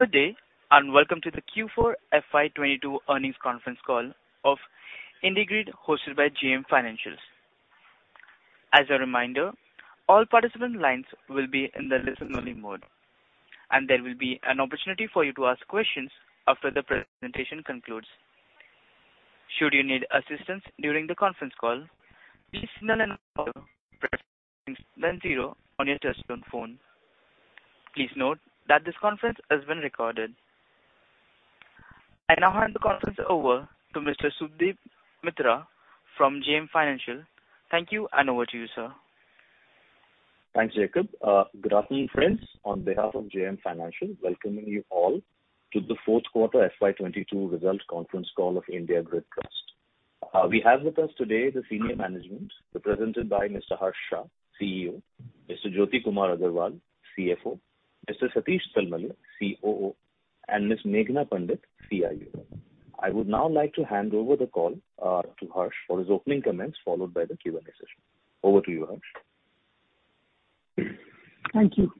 Good day, and welcome to the Q4 FY2022 earnings conference call of IndiGrid, hosted by JM Financial. As a reminder, all participant lines will be in the listen-only mode, and there will be an opportunity for you to ask questions after the presentation concludes. Should you need assistance during the conference call, please press star, then zero on your touchtone phone. Please note that this conference is being recorded. I now hand the conference over to Mr. Subhadip Mitra from JM Financial. Thank you, and over to you, sir. Thanks, Jacob. Good afternoon, friends. On behalf of JM Financial, welcoming you all to the fourth quarter FY2022 results conference call of IndiGrid Infrastructure Trust. We have with us today the senior management, represented by Mr. Harsh Shah, CEO, Mr. Jyoti Kumar Agarwal, CFO, Mr. Satish Talmale, COO, and Ms. Meghana Pandit, CIO. I would now like to hand over the call, to Harsh for his opening comments, followed by the Q&A session. Over to you, Harsh. Thank you.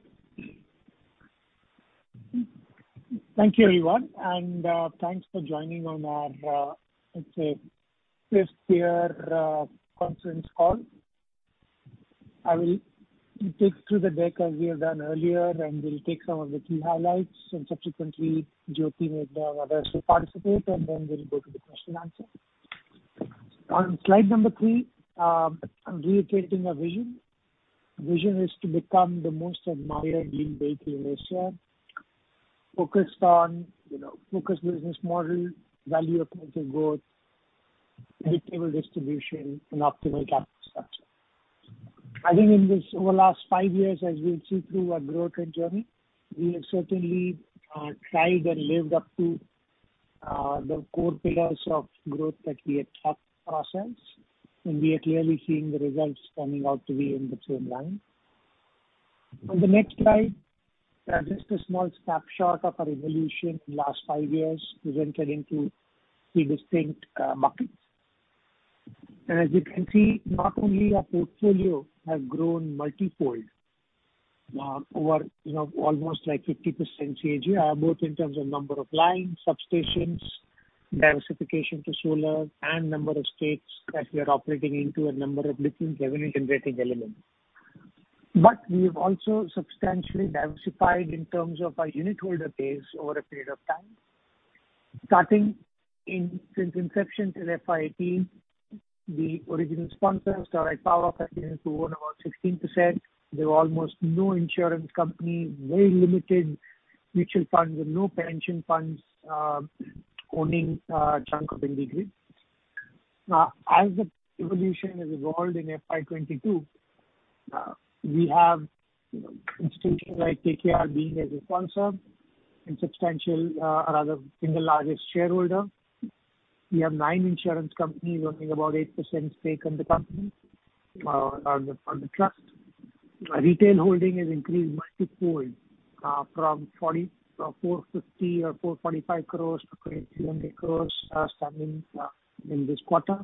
Thank you, everyone, and thanks for joining on our it's a first year conference call. I will dig through the deck as we have done earlier, and we'll take some of the key highlights and subsequently Jyoti, Meghna, and others will participate, and then we'll go to the question answer. On slide number 3, reiterating our vision. Vision is to become the most admired green RE in Asia, focused on, you know, focused business model, value accretive growth, predictable distribution and optimal capital structure. I think in this, over the last five years, as we've seen through our growth and journey, we have certainly tried and lived up to the core pillars of growth that we had set for ourselves, and we are clearly seeing the results coming out to be in the same line. On the next slide, just a small snapshot of our evolution in last 5 years presented in three distinct buckets. As you can see, not only our portfolio has grown multi-fold over, you know, almost like 50% CAGR, both in terms of number of lines, substations, diversification to solar and number of states that we are operating in to a number of repeat revenue generating elements. We have also substantially diversified in terms of our unitholder base over a period of time. Starting since inception till FY2018, the original sponsors like Power Finance Corporation, who own about 16%. There were almost no insurance companies, very limited mutual funds and no pension funds owning a chunk of IndiGrid. Now, as the evolution has evolved in FY2022, we have institutions like KKR being a sponsor and substantial rather single largest shareholder. We have nine insurance companies owning about 8% stake in the company, on the trust. Retail holding has increased multi-fold from 450 or 445 crores to 27 crores stemming in this quarter.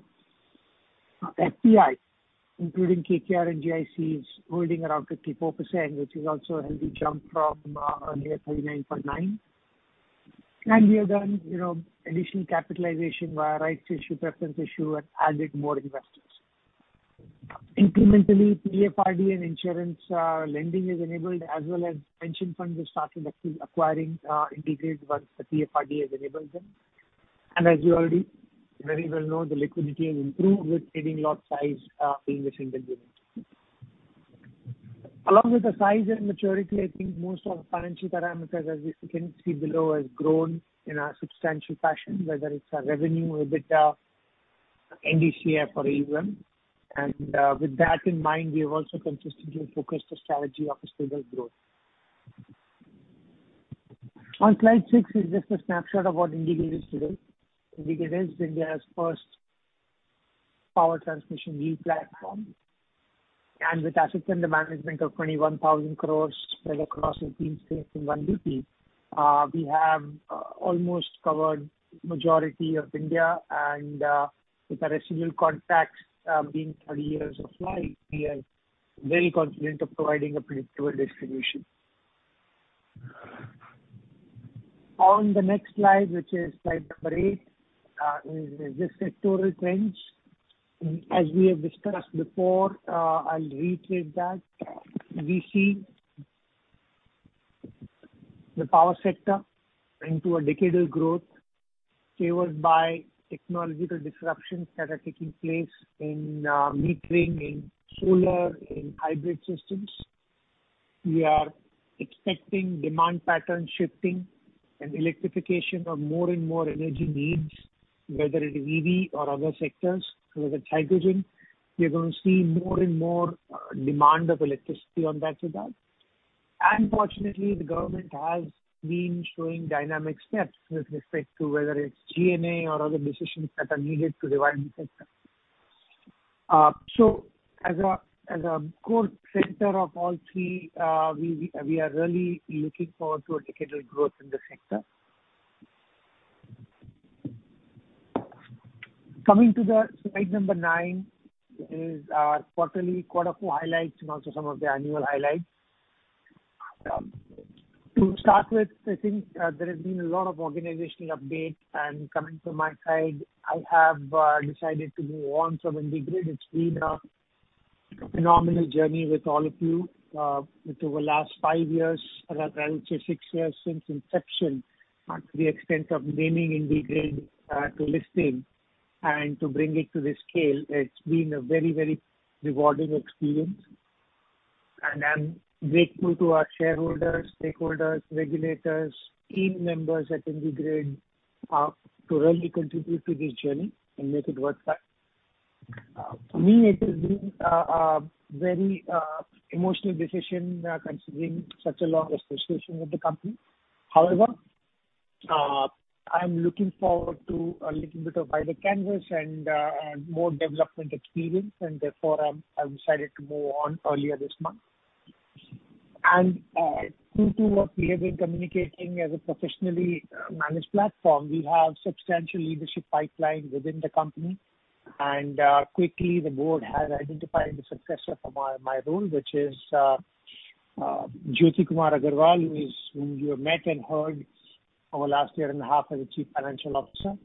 FPI, including KKR and GIC, is holding around 54%, which is also a healthy jump from earlier 39.9%. We have done, you know, additional capitalization via rights issue, preference issue and added more investors. Incrementally, PFRDA and insurance lending is enabled as well as pension funds have started acquiring IndiGrid once the PFRDA has enabled them. As you already very well know, the liquidity has improved with bidding lot size being the single unit. Along with the size and maturity, I think most of the financial parameters, as you can see below, has grown in a substantial fashion, whether it's our revenue, EBITDA, NDCF or EBM. With that in mind, we have also consistently focused the strategy of a stable growth. On slide six is just a snapshot of what IndiGrid is today. IndiGrid is India's first power transmission RE platform. With assets under management of 21,000 crore spread across 15 states in 1 UT, we have almost covered majority of India and with our residual contracts being 30 years of life, we are very confident of providing a predictable distribution. On the next slide, which is slide number eight, is the sectoral trends. As we have discussed before, I'll reiterate that. We see the power sector into a decadal growth fueled by technological disruptions that are taking place in, metering, in solar, in hybrid systems. We are expecting demand pattern shifting and electrification of more and more energy needs, whether it is EV or other sectors, whether it's hydrogen. We are going to see more and more, demand of electricity on that regard. Fortunately, the government has been showing dynamic steps with respect to whether it's GNA or other decisions that are needed to revive the sector. So as a core center of all three, we are really looking forward to a decadal growth in the sector. Coming to the slide number nine is our quarterly quarter four highlights and also some of the annual highlights. To start with, I think there has been a lot of organizational updates, and coming from my side, I have decided to move on from IndiGrid. It's been a phenomenal journey with all of you over the last five years, rather I would say six years since inception, to the extent of naming IndiGrid, to listing and to bring it to this scale. It's been a very, very rewarding experience, and I'm grateful to our shareholders, stakeholders, regulators, team members at IndiGrid to really contribute to this journey and make it worthwhile. For me, it has been a very emotional decision considering such a long association with the company. However, I'm looking forward to a little bit of wider canvas and more development experience, and therefore, I've decided to move on earlier this month. True to what we have been communicating as a professionally managed platform, we have substantial leadership pipeline within the company. Quickly the board has identified the successor for my role, which is Jyoti Kumar Agarwal, whom you have met and heard over the last year and a half as Chief Financial Officer.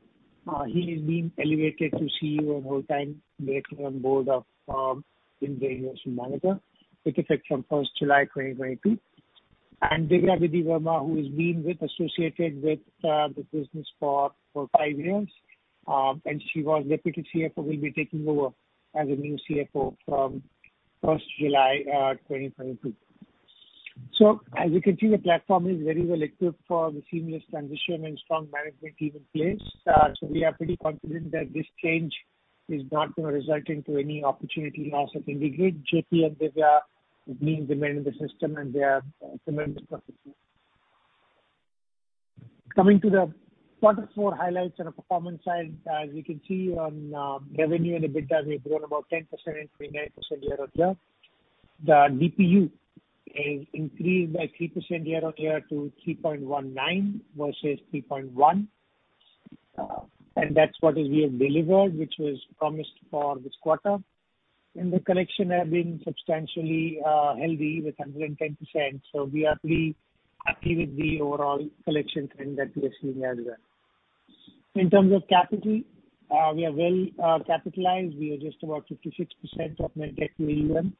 He is being elevated to CEO and Whole Time Director on the board of IndiGrid Investment Managers Limited, with effect from first July 2022. Divya Bedi Varma, who has been associated with this business for five years, and she was Deputy CFO, will be taking over as new CFO from first July 2022. As you can see, the platform is very well equipped for the seamless transition and strong management team in place. We are pretty confident that this change is not gonna result into any opportunity loss at IndiGrid. Jyoti and Divya have been the mainstays in the system, and they are tremendous professionals. Coming to the quarter four highlights on a performance side, as you can see on revenue and EBITDA, we've grown about 10% and 29% year-over-year. The DPU is increased by 3% year-over-year to 3.19 versus 3.1. And that's what we have delivered, which was promised for this quarter. The collection has been substantially healthy with 110%. We are pretty happy with the overall collection trend that we are seeing as well. In terms of capital, we are well capitalized. We are just about 56% of net debt to EBITDA,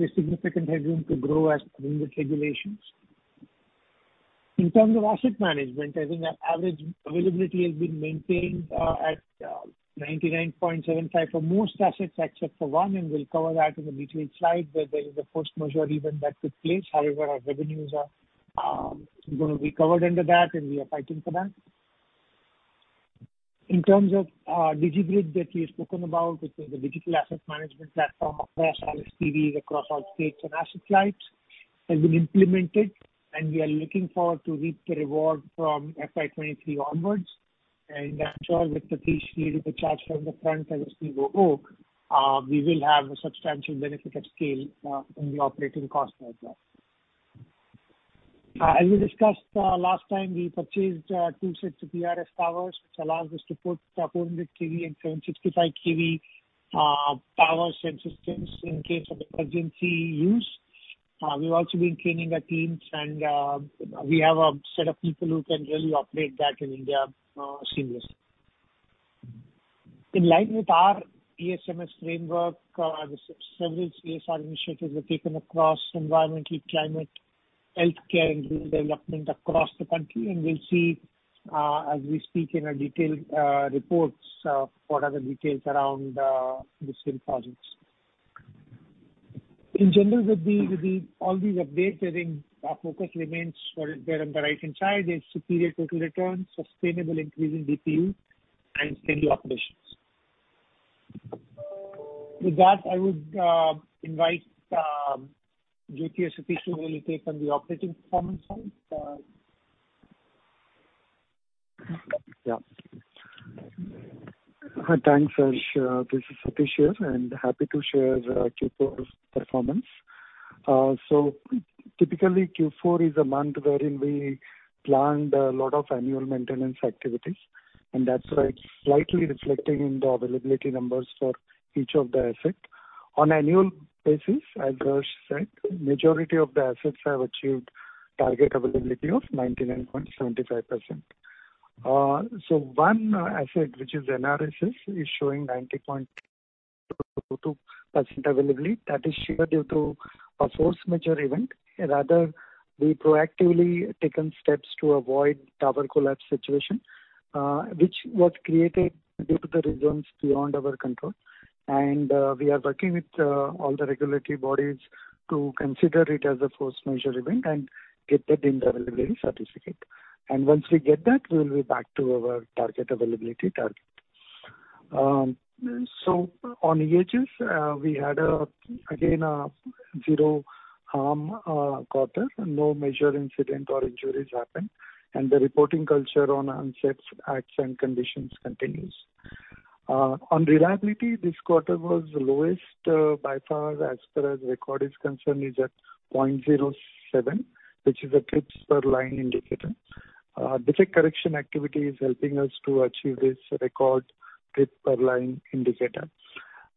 with significant headroom to grow as per the regulations. In terms of asset management, I think our average availability has been maintained at 99.75% for most assets except for one, and we'll cover that in the detailed slide, where there is a force majeure event that took place. However, our revenues are gonna be covered under that, and we are fighting for that. In terms of DigiGrid that we have spoken about, which is a digital asset management platform of ours, LSTVs across all states and asset types, has been implemented, and we are looking forward to reap the reward from FY2023 onwards. That's all with Satish leading the charge from the front as CFO. We will have a substantial benefit at scale in the operating cost as well. As we discussed last time, we purchased two sets of ERS towers, which allows us to put 400 kV and 765 kV power transmission systems in case of emergency use. We've also been training our teams, and we have a set of people who can really operate that, and they are seamless. In line with our ESMS framework, several ESG initiatives were taken across environmental, climate, healthcare, and rural development across the country. We'll see, as we speak in our detailed reports, what are the details around the same projects. In general, with the all these updates, I think our focus remains for interim right hand side is superior total returns, sustainable increase in DPU and steady operations. With that, I would invite Jyoti or Satish, who will take on the operating performance side. Yeah. Hi. Thanks, Harsh. This is Satish here, and happy to share the Q4's performance. So typically, Q4 is a month wherein we planned a lot of annual maintenance activities, and that's, like, slightly reflecting in the availability numbers for each of the asset. On annual basis, as Harsh said, majority of the assets have achieved target availability of 99.75%. So one asset, which is NRSS, is showing 90.22% availability. That is sheer due to a force majeure event. Rather, we proactively taken steps to avoid tower collapse situation, which was created due to the reasons beyond our control. We are working with all the regulatory bodies to consider it as a force majeure event and get that in the availability certificate. Once we get that, we will be back to our target availability target. On EHS, we had again a zero harm quarter. No major incident or injuries happened, and the reporting culture on unsafe acts and conditions continues. On reliability, this quarter was the lowest by far as per record is concerned, at 0.07, which is a trips per line indicator. Defect correction activity is helping us to achieve this record trip per line indicator.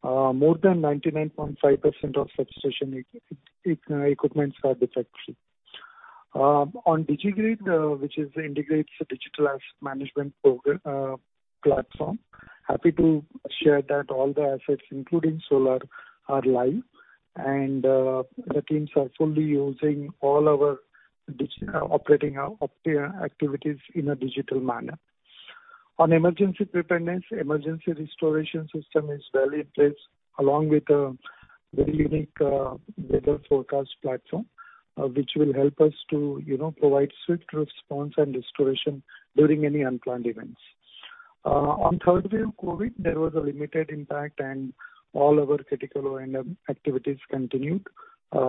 More than 99.5% of substation equipment are defect free. On DigiGrid, which integrates digital asset management platform. Happy to share that all the assets, including solar, are live and the teams are fully using all our operational activities in a digital manner. On emergency preparedness, Emergency Restoration System is well in place, along with a very unique weather forecast platform, which will help us to, you know, provide swift response and restoration during any unplanned events. On third wave COVID, there was a limited impact and all our critical O&M activities continued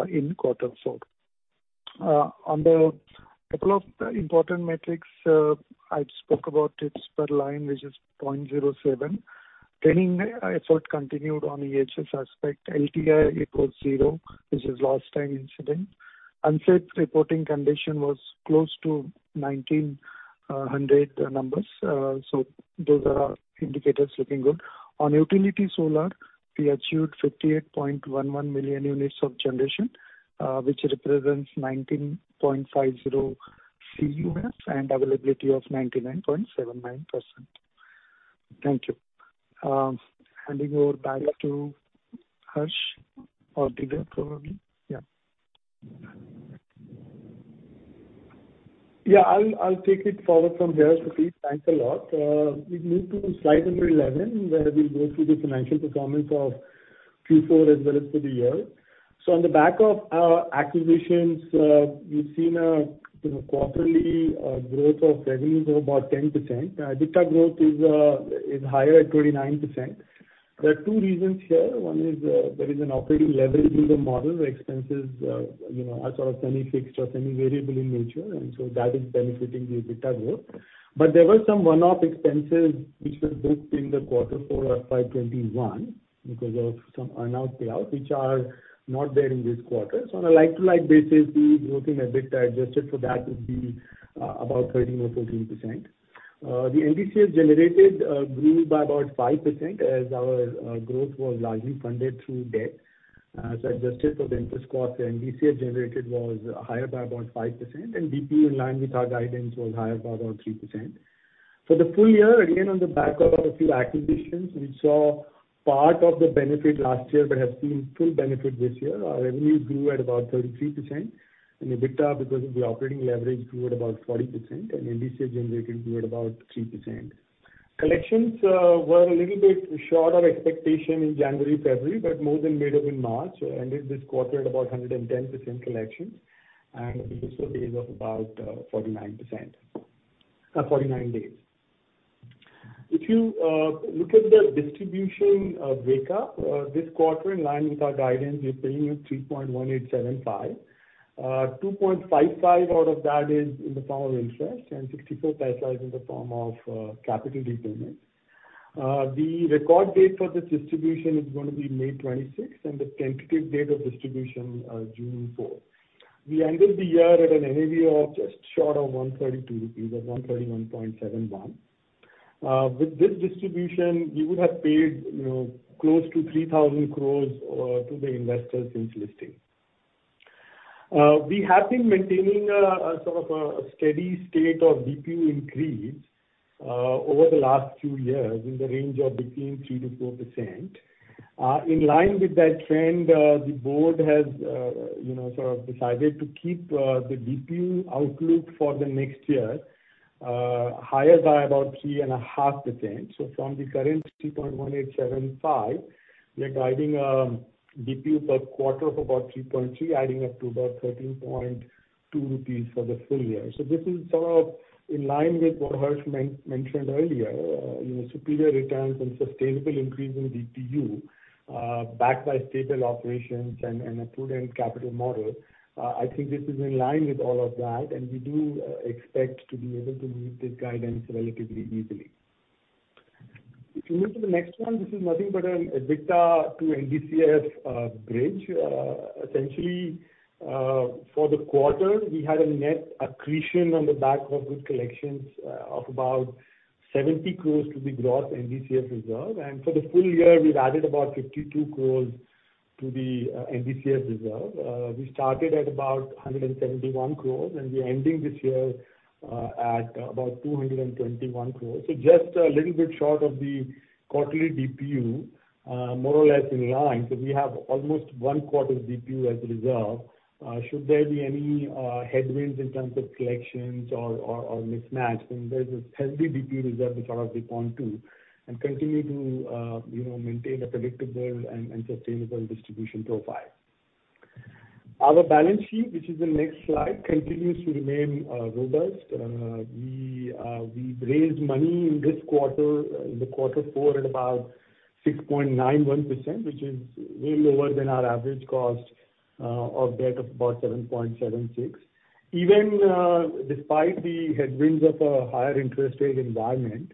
in quarter four. On the couple of important metrics, I spoke about trips per line, which is 0.07. Training effort continued on EHS aspect. LTI equals zero, which is lost time incident. Unsafe reporting condition was close to 1,900 numbers. So those are indicators looking good. On utility solar, we achieved 58.11 million units of generation, which represents 19.50 CUF and availability of 99.79%. Thank you. Handing over back to Harsh or Divya probably. Yeah, I'll take it forward from here, Satish. Thanks a lot. We've moved to slide number 11, where we'll go through the financial performance of Q4 as well as for the year. On the back of our acquisitions, we've seen a you know quarterly growth of revenues of about 10%. EBITDA growth is higher at 29%. There are two reasons here. One is there is an operating leverage in the model. Expenses you know are sort of semi-fixed or semi-variable in nature, and so that is benefiting the EBITDA growth. There were some one-off expenses which were booked in the quarter four of FY2021 because of some earnout payout, which are not there in this quarter. On a like-for-like basis, the growth in EBITDA adjusted for that would be about 13 or 14%. The NDCF generated grew by about 5% as our growth was largely funded through debt. Adjusted for the interest cost, the NDCF generated was higher by about 5%, and DPU in line with our guidance was higher by about 3%. For the full year, again on the back of a few acquisitions, we saw part of the benefit last year but have seen full benefit this year. Our revenue grew at about 33% and EBITDA because of the operating leverage grew at about 40% and NDCF generated grew at about 3%. Collections were a little bit short of expectation in January, February, but more than made up in March. Ended this quarter at about 110% collections and with days of about 49 days. If you look at the distribution breakup this quarter in line with our guidance, we're paying you 3.1875. Two point five five out of that is in the form of interest and 0.64 paisa is in the form of capital repayment. The record date for this distribution is gonna be May 26th and the tentative date of distribution June 4th. We ended the year at an NAV of just short of 132 rupees at 131.71. With this distribution, we would have paid, you know, close to 3,000 crores to the investors since listing. We have been maintaining a sort of a steady state of DPU increase over the last few years in the range of between 3%-4%. In line with that trend, the board has, you know, sort of decided to keep the DPU outlook for the next year higher by about 3.5%. From the current 3.1875, we're guiding DPU per quarter of about 3.3, adding up to about 13.2 rupees for the full year. This is sort of in line with what Harsh mentioned earlier, you know, superior returns and sustainable increase in DPU, backed by stable operations and a prudent capital model. I think this is in line with all of that, and we do expect to be able to meet this guidance relatively easily. If you move to the next one, this is nothing but an EBITDA to NDCF bridge. Essentially, for the quarter, we had a net accretion on the back of good collections of about 70 crores to the gross NDCF reserve. For the full year, we've added about 52 crores to the NDCF reserve. We started at about 171 crores, and we're ending this year at about 221 crores. Just a little bit short of the quarterly DPU, more or less in line. We have almost one quarter DPU as a reserve. Should there be any headwinds in terms of collections or mismatch, then there's this healthy DPU reserve to sort of dip into and continue to you know, maintain a predictable and sustainable distribution profile. Our balance sheet, which is the next slide, continues to remain robust. We've raised money in this quarter, in quarter four at about 6.91%, which is way lower than our average cost of debt of about 7.76%. Even despite the headwinds of a higher interest rate environment,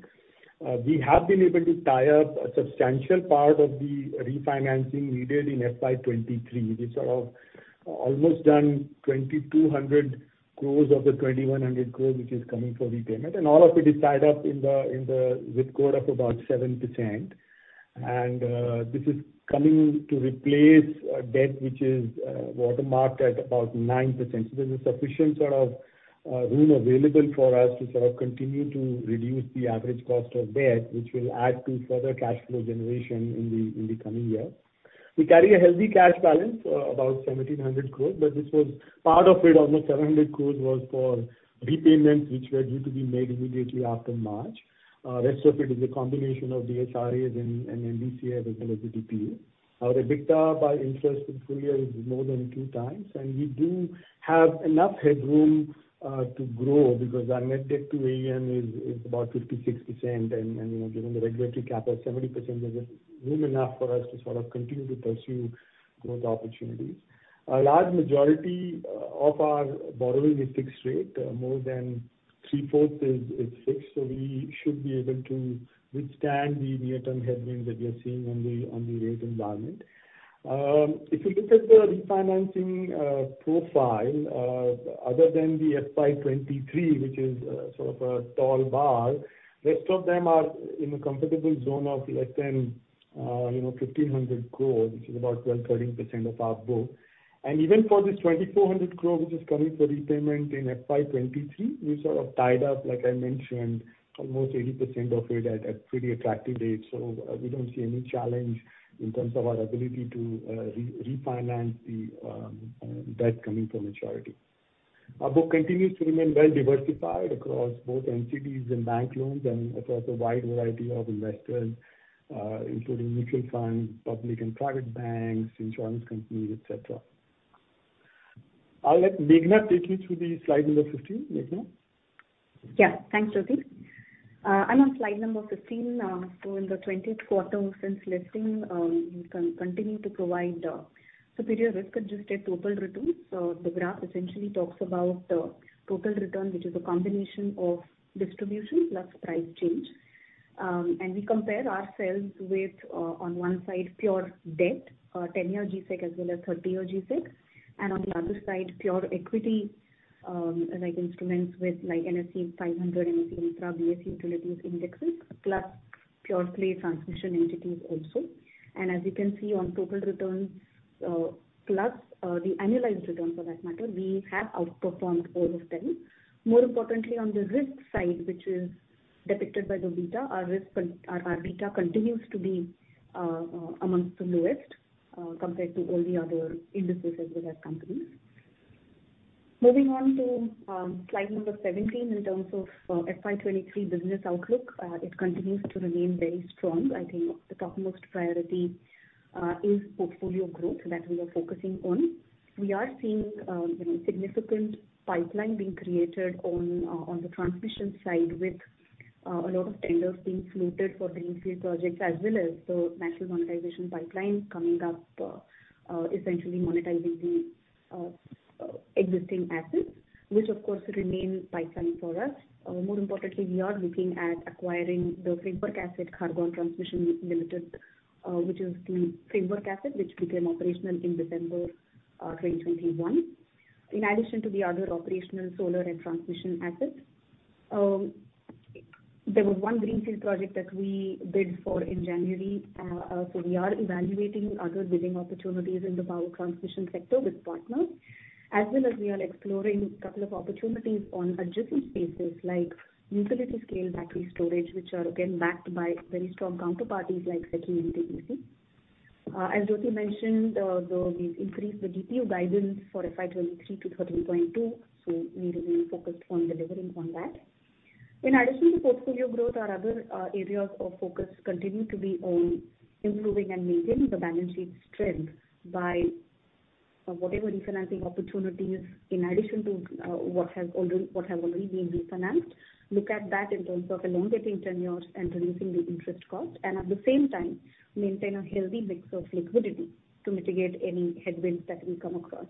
we have been able to tie up a substantial part of the refinancing needed in FY2023. We've sort of almost done 2,200 crores of the 2,100 crore, which is coming for repayment. All of it is tied up at a WACC of about 7%. This is coming to replace a debt which is benchmarked at about 9%. There's a sufficient sort of room available for us to sort of continue to reduce the average cost of debt, which will add to further cash flow generation in the coming years. We carry a healthy cash balance, about 1,700 crores. This was part of it, almost 700 crores was for repayments which were due to be made immediately after March. Rest of it is a combination of DSRA and MBC as well as DPU. Our EBITDA by interest in full year is more than 2x, and we do have enough headroom to grow because our net debt to AUM is about 56%. You know, given the regulatory cap of 70%, there's room enough for us to sort of continue to pursue growth opportunities. A large majority of our borrowing is fixed rate. More than three-fourth is fixed. We should be able to withstand the near-term headwinds that we are seeing on the rate environment. If you look at the refinancing profile, other than the FY2023, which is sort of a tall bar, rest of them are in a comfortable zone of less than, you know, 1,500 crore, which is about 12%-13% of our book. Even for this 2,400 crore, which is coming for repayment in FY2023, we sort of tied up, like I mentioned, almost 80% of it at pretty attractive rates. We don't see any challenge in terms of our ability to refinance the debt coming for maturity. Our book continues to remain well diversified across both entities and bank loans and across a wide variety of investors, including mutual funds, public and private banks, insurance companies, etc. I'll let Meghana take you through the slide number 15. Meghana. Yeah. Thanks, Jyoti. I'm on slide number 15. In the 20th quarter since listing, we continue to provide superior risk-adjusted total returns. The graph essentially talks about total return, which is a combination of distribution plus price change. We compare ourselves with, on one side, pure debt, 10-year GSEC as well as 30-year GSEC, and on the other side, pure equity, like instruments with like Nifty 500, Nifty 50, BSE Utilities indexes, plus pure-play transmission entities also. As you can see on total returns, plus the annualized return for that matter, we have outperformed all of them. More importantly, on the risk side, which is depicted by the beta, our beta continues to be amongst the lowest compared to all the other indices as well as companies. Moving on to slide number 17. In terms of FY2023 business outlook, it continues to remain very strong. I think the topmost priority is portfolio growth that we are focusing on. We are seeing you know significant pipeline being created on the transmission side with a lot of tenders being floated for the greenfield projects as well as the natural monetization pipeline coming up essentially monetizing the existing assets, which of course remain pipeline for us. More importantly, we are looking at acquiring the framework asset Khargone Transmission Limited, which is the framework asset which became operational in December 2021. In addition to the other operational solar and transmission assets, there was one greenfield project that we bid for in January. We are evaluating other bidding opportunities in the power transmission sector with partners. As well as we are exploring couple of opportunities on adjacent spaces like utility scale battery storage, which are again backed by very strong counterparties like SECI and NTPC. As Jyoti mentioned, we've increased the DPU guidance for FY2023 to 13.2. We remain focused on delivering on that. In addition to portfolio growth, our other areas of focus continue to be on improving and maintaining the balance sheet strength by whatever refinancing opportunities in addition to what have already been refinanced. Look at that in terms of a longer tenure and reducing the interest cost. At the same time maintain a healthy mix of liquidity to mitigate any headwinds that we come across.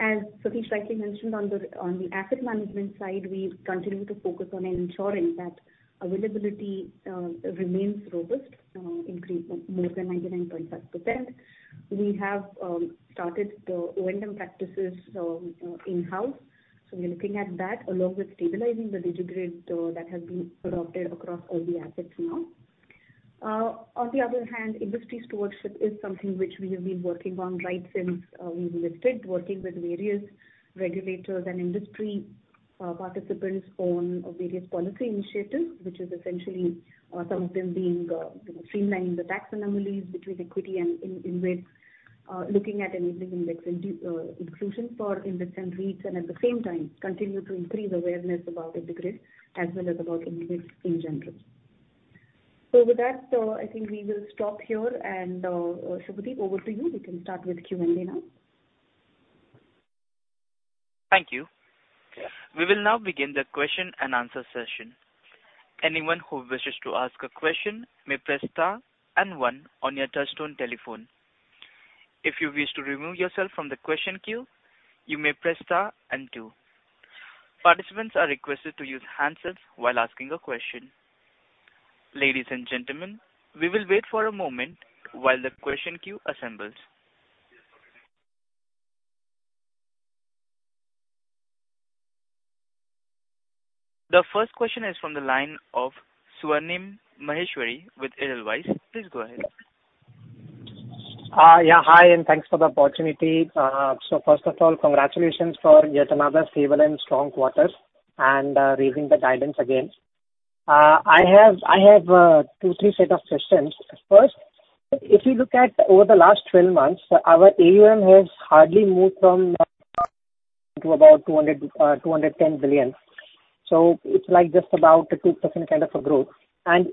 As Satish rightly mentioned on the asset management side, we continue to focus on ensuring that availability remains robust, increasing more than 99.5%. We have started the O&M practices in-house. So we're looking at that along with stabilizing the DigiGrid that has been adopted across all the assets now. On the other hand, industry stewardship is something which we have been working on right since we listed. Working with various regulators and industry participants on various policy initiatives, which is essentially some of them being, you know, streamlining the tax anomalies between equity and InvITs. Looking at enabling index inclusion for InvITs and REITs. At the same time continue to increase awareness about DigiGrid as well as about InvITs in general. With that, I think we will stop here and Subhadip, over to you. We can start with Q&A now. Thank you. We will now begin the question-and-answer session. Anyone who wishes to ask a question may press star and one on your touchtone telephone. If you wish to remove yourself from the question queue, you may press star and two. Participants are requested to use handsets while asking a question. Ladies and gentlemen, we will wait for a moment while the question queue assembles. The first question is from the line of Swarnim Maheshwari with Edelweiss. Please go ahead. Yeah, hi, and thanks for the opportunity. First of all, congratulations for yet another stable and strong quarter and raising the guidance again. I have two, three sets of questions. First, if you look at over the last 12 months, our AUM has hardly moved from INR 200 billion to about 210 billion. It's like just about a 2% kind of a growth.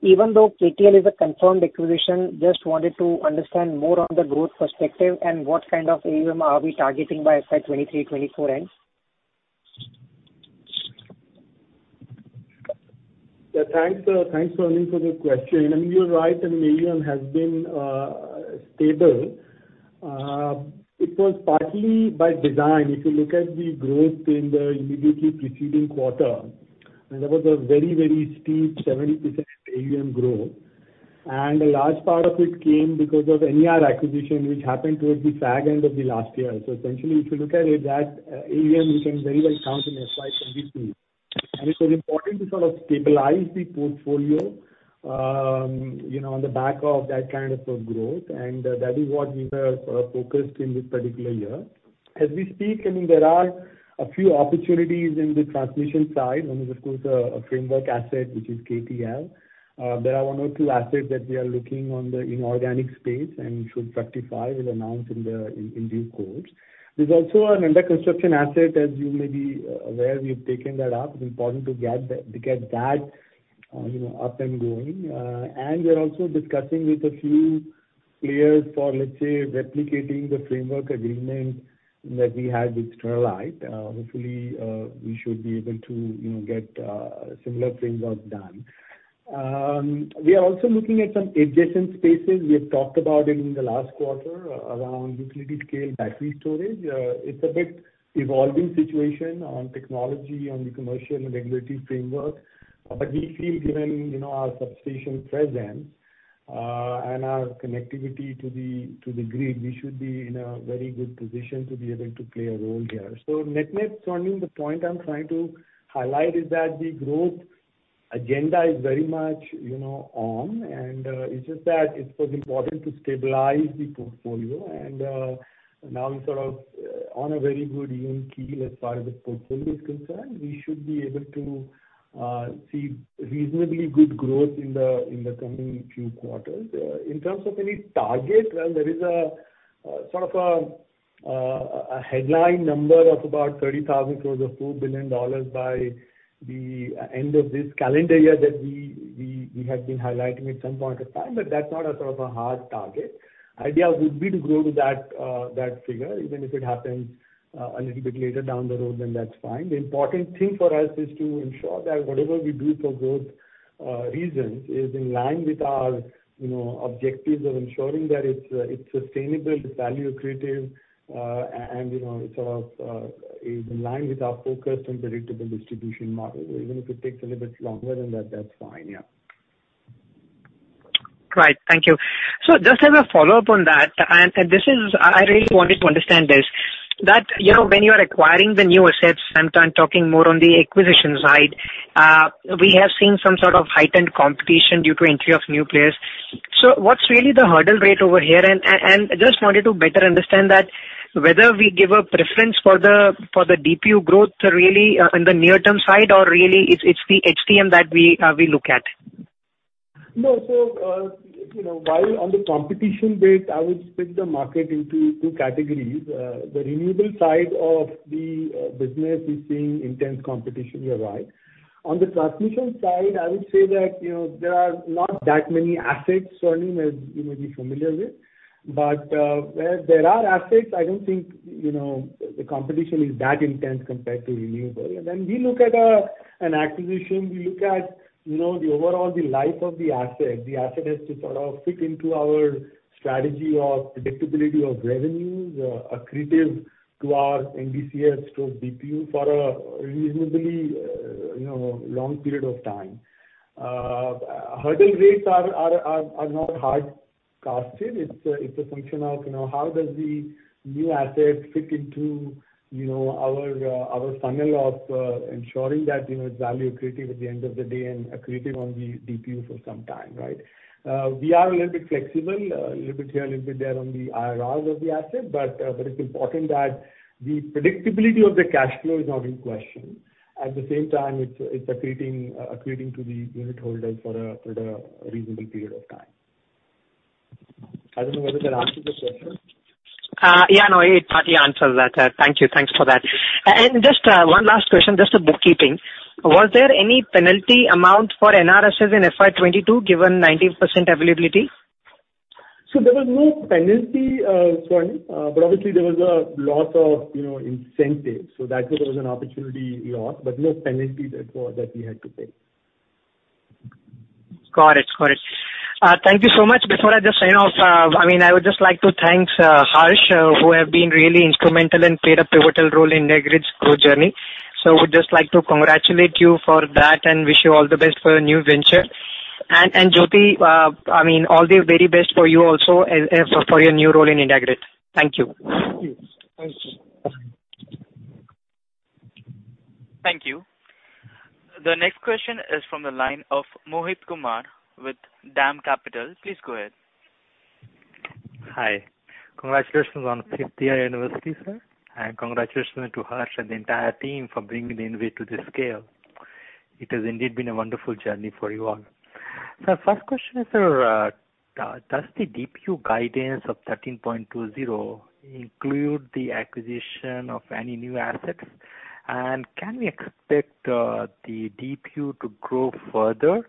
Even though KTL is a confirmed acquisition, just wanted to understand more on the growth perspective and what kind of AUM are we targeting by FY2023-FY2024 ends. Yeah, thanks, Swarnim, for the question. I mean, you're right, I mean, AUM has been stable. It was partly by design. If you look at the growth in the immediately preceding quarter, there was a very steep 70% AUM growth, and a large part of it came because of NER acquisition, which happened towards the fag end of the last year. Essentially, if you look at it, that AUM, you can very well count in FY2022. It was important to sort of stabilize the portfolio, you know, on the back of that kind of a growth, and that is what we were focused in this particular year. As we speak, I mean, there are a few opportunities in the transmission side. One is of course, a framework asset, which is KTL. There are one or two assets that we are looking in the inorganic space and shortly, we'll announce in due course. There's also an under-construction asset, as you may be aware, we've taken that up. It's important to get that up and going. We are also discussing with a few players for, let's say, replicating the framework agreement that we had with Sterlite. Hopefully, we should be able to get similar frameworks done. We are also looking at some adjacent spaces. We have talked about it in the last quarter around utility scale battery storage. It's a bit evolving situation on technology, on the commercial and regulatory framework. We feel given, you know, our substation presence, and our connectivity to the grid, we should be in a very good position to be able to play a role here. Net-net, Swarnim, the point I'm trying to highlight is that the growth agenda is very much, you know, on, and it's just that it was important to stabilize the portfolio. Now we sort of on a very good even keel as far as the portfolio is concerned. We should be able to see reasonably good growth in the coming few quarters. In terms of any target, well, there is sort of a headline number of about 30,000 crore or $4 billion by the end of this calendar year that we have been highlighting at some point of time, but that's not sort of a hard target. Idea would be to grow to that figure, even if it happens a little bit later down the road, then that's fine. The important thing for us is to ensure that whatever we do for growth reasons is in line with our, you know, objectives of ensuring that it's sustainable, it's value accretive, and you know, it's sort of is in line with our focus on predictable distribution model. Even if it takes a little bit longer, then that's fine. Yeah. Right. Thank you. Just as a follow-up on that, and this is. I really wanted to understand this, that, you know, when you are acquiring the new assets, and I'm talking more on the acquisition side, we have seen some sort of heightened competition due to entry of new players. What's really the hurdle rate over here? Just wanted to better understand that whether we give a preference for the DPU growth really, in the near-term side or really it's the IRR that we look at. No. You know, while on the competition bit, I would split the market into two categories. The renewable side of the business is seeing intense competition, you're right. On the transmission side, I would say that, you know, there are not that many assets, Swarnim, as you may be familiar with. Where there are assets, I don't think, you know, the competition is that intense compared to renewable. When we look at an acquisition, we look at, you know, the overall, the life of the asset. The asset has to sort of fit into our strategy of predictability of revenues, accretive to our NDCF, to DPU for a reasonably, you know, long period of time. Hurdle rates are not hard-coded. It's a function of, you know, how does the new asset fit into, you know, our funnel of ensuring that, you know, it's value accretive at the end of the day and accretive on the DPU for some time, right? We are a little bit flexible, a little bit here, a little bit there on the IRRs of the asset. But it's important that the predictability of the cash flow is not in question. At the same time, it's accreting to the unit holders for the reasonable period of time. I don't know whether that answers your question. Yeah, no, it partly answers that. Thank you. Thanks for that. Just, one last question, just a bookkeeping. Was there any penalty amount for NRSS in FY2022, given 90% availability? There was no penalty, Swarnim, but obviously there was a loss of, you know, incentive. That's where there was an opportunity lost, but no penalty that we had to pay. Got it. Thank you so much. Before I just sign off, I mean, I would just like to thank Harsh, who have been really instrumental and played a pivotal role in IndiGrid's growth journey. I would just like to congratulate you for that and wish you all the best for your new venture. Jyoti, I mean, all the very best for you also as for your new role in IndiGrid. Thank you. Thank you. Thank you. Thank you. The next question is from the line of Mohit Kumar with DAM Capital. Please go ahead. Hi. Congratulations on fifth year anniversary, sir, and congratulations to Harsh and the entire team for bringing the IndiGrid to this scale. It has indeed been a wonderful journey for you all. First question is, does the DPU guidance of 13.20 include the acquisition of any new assets? And can we expect the DPU to grow further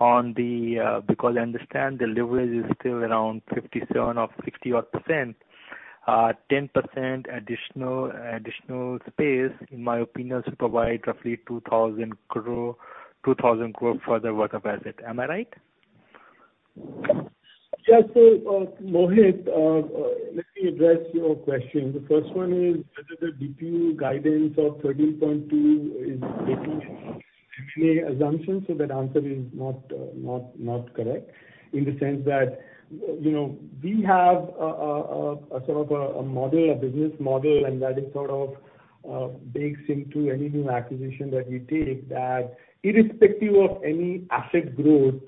because I understand the leverage is still around 57% or 60% odd, 10% additional space, in my opinion, should provide roughly 2,000 crore further worth of asset. Am I right? Yes, Mohit, let me address your question. The first one is whether the DPU guidance of 13.2 is getting any tax assumptions. That answer is not correct. In the sense that, you know, we have a sort of a model, a business model, and that is sort of bakes into any new acquisition that we take, irrespective of any asset growth,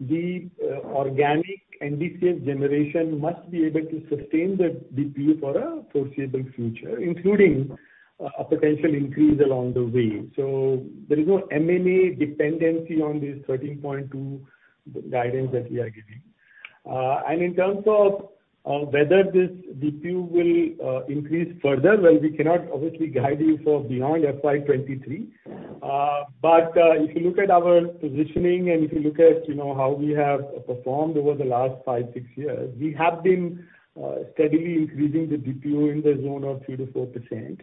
the organic NDCF generation must be able to sustain the DPU for a foreseeable future, including a potential increase along the way. There is no M&A dependency on this 13.2 guidance that we are giving. In terms of whether this DPU will increase further, well, we cannot obviously guide you for beyond FY2023. If you look at our positioning and if you look at you know how we have performed over the last five six years, we have been steadily increasing the DPU in the zone of 3%-4%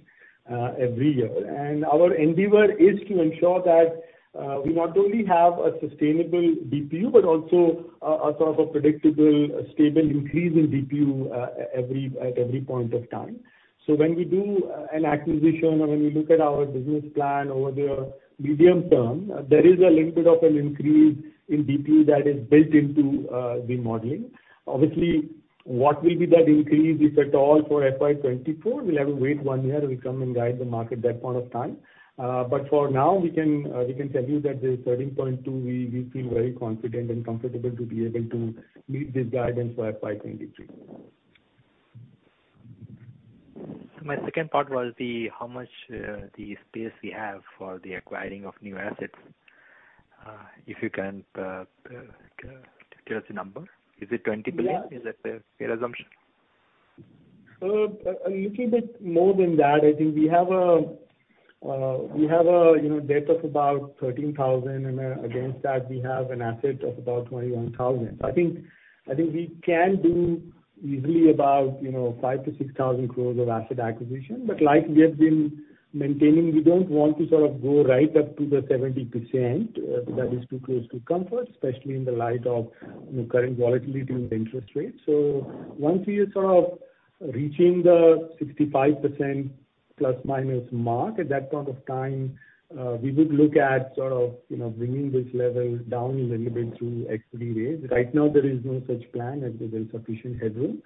every year. Our endeavor is to ensure that we not only have a sustainable DPU, but also a sort of predictable stable increase in DPU every at every point of time. When we do an acquisition or when we look at our business plan over the medium term, there is a little bit of an increase in DPU that is built into the modeling. Obviously, what will be that increase if at all for FY2024? We'll have to wait one year, we come and guide the market that point of time. For now, we can tell you that the 13.2, we feel very confident and comfortable to be able to meet this guidance for FY2023. My second part was the how much, the space we have for the acquiring of new assets. If you can, give us a number. Is it 20 billion? Yeah. Is that a fair assumption? A little bit more than that. I think we have, you know, debt of about 13,000, and against that we have an asset of about 21,000. I think we can do easily about, you know, 5,000 crores-6,000 crores of asset acquisition. Like we have been maintaining, we don't want to sort of go right up to the 70%. That is too close for comfort, especially in the light of, you know, current volatility with interest rates. Once we are sort of reaching the 65% ± mark, at that point of time, we would look at sort of, you know, bringing this level down a little bit through equity raise. Right now there is no such plan as there's sufficient headroom.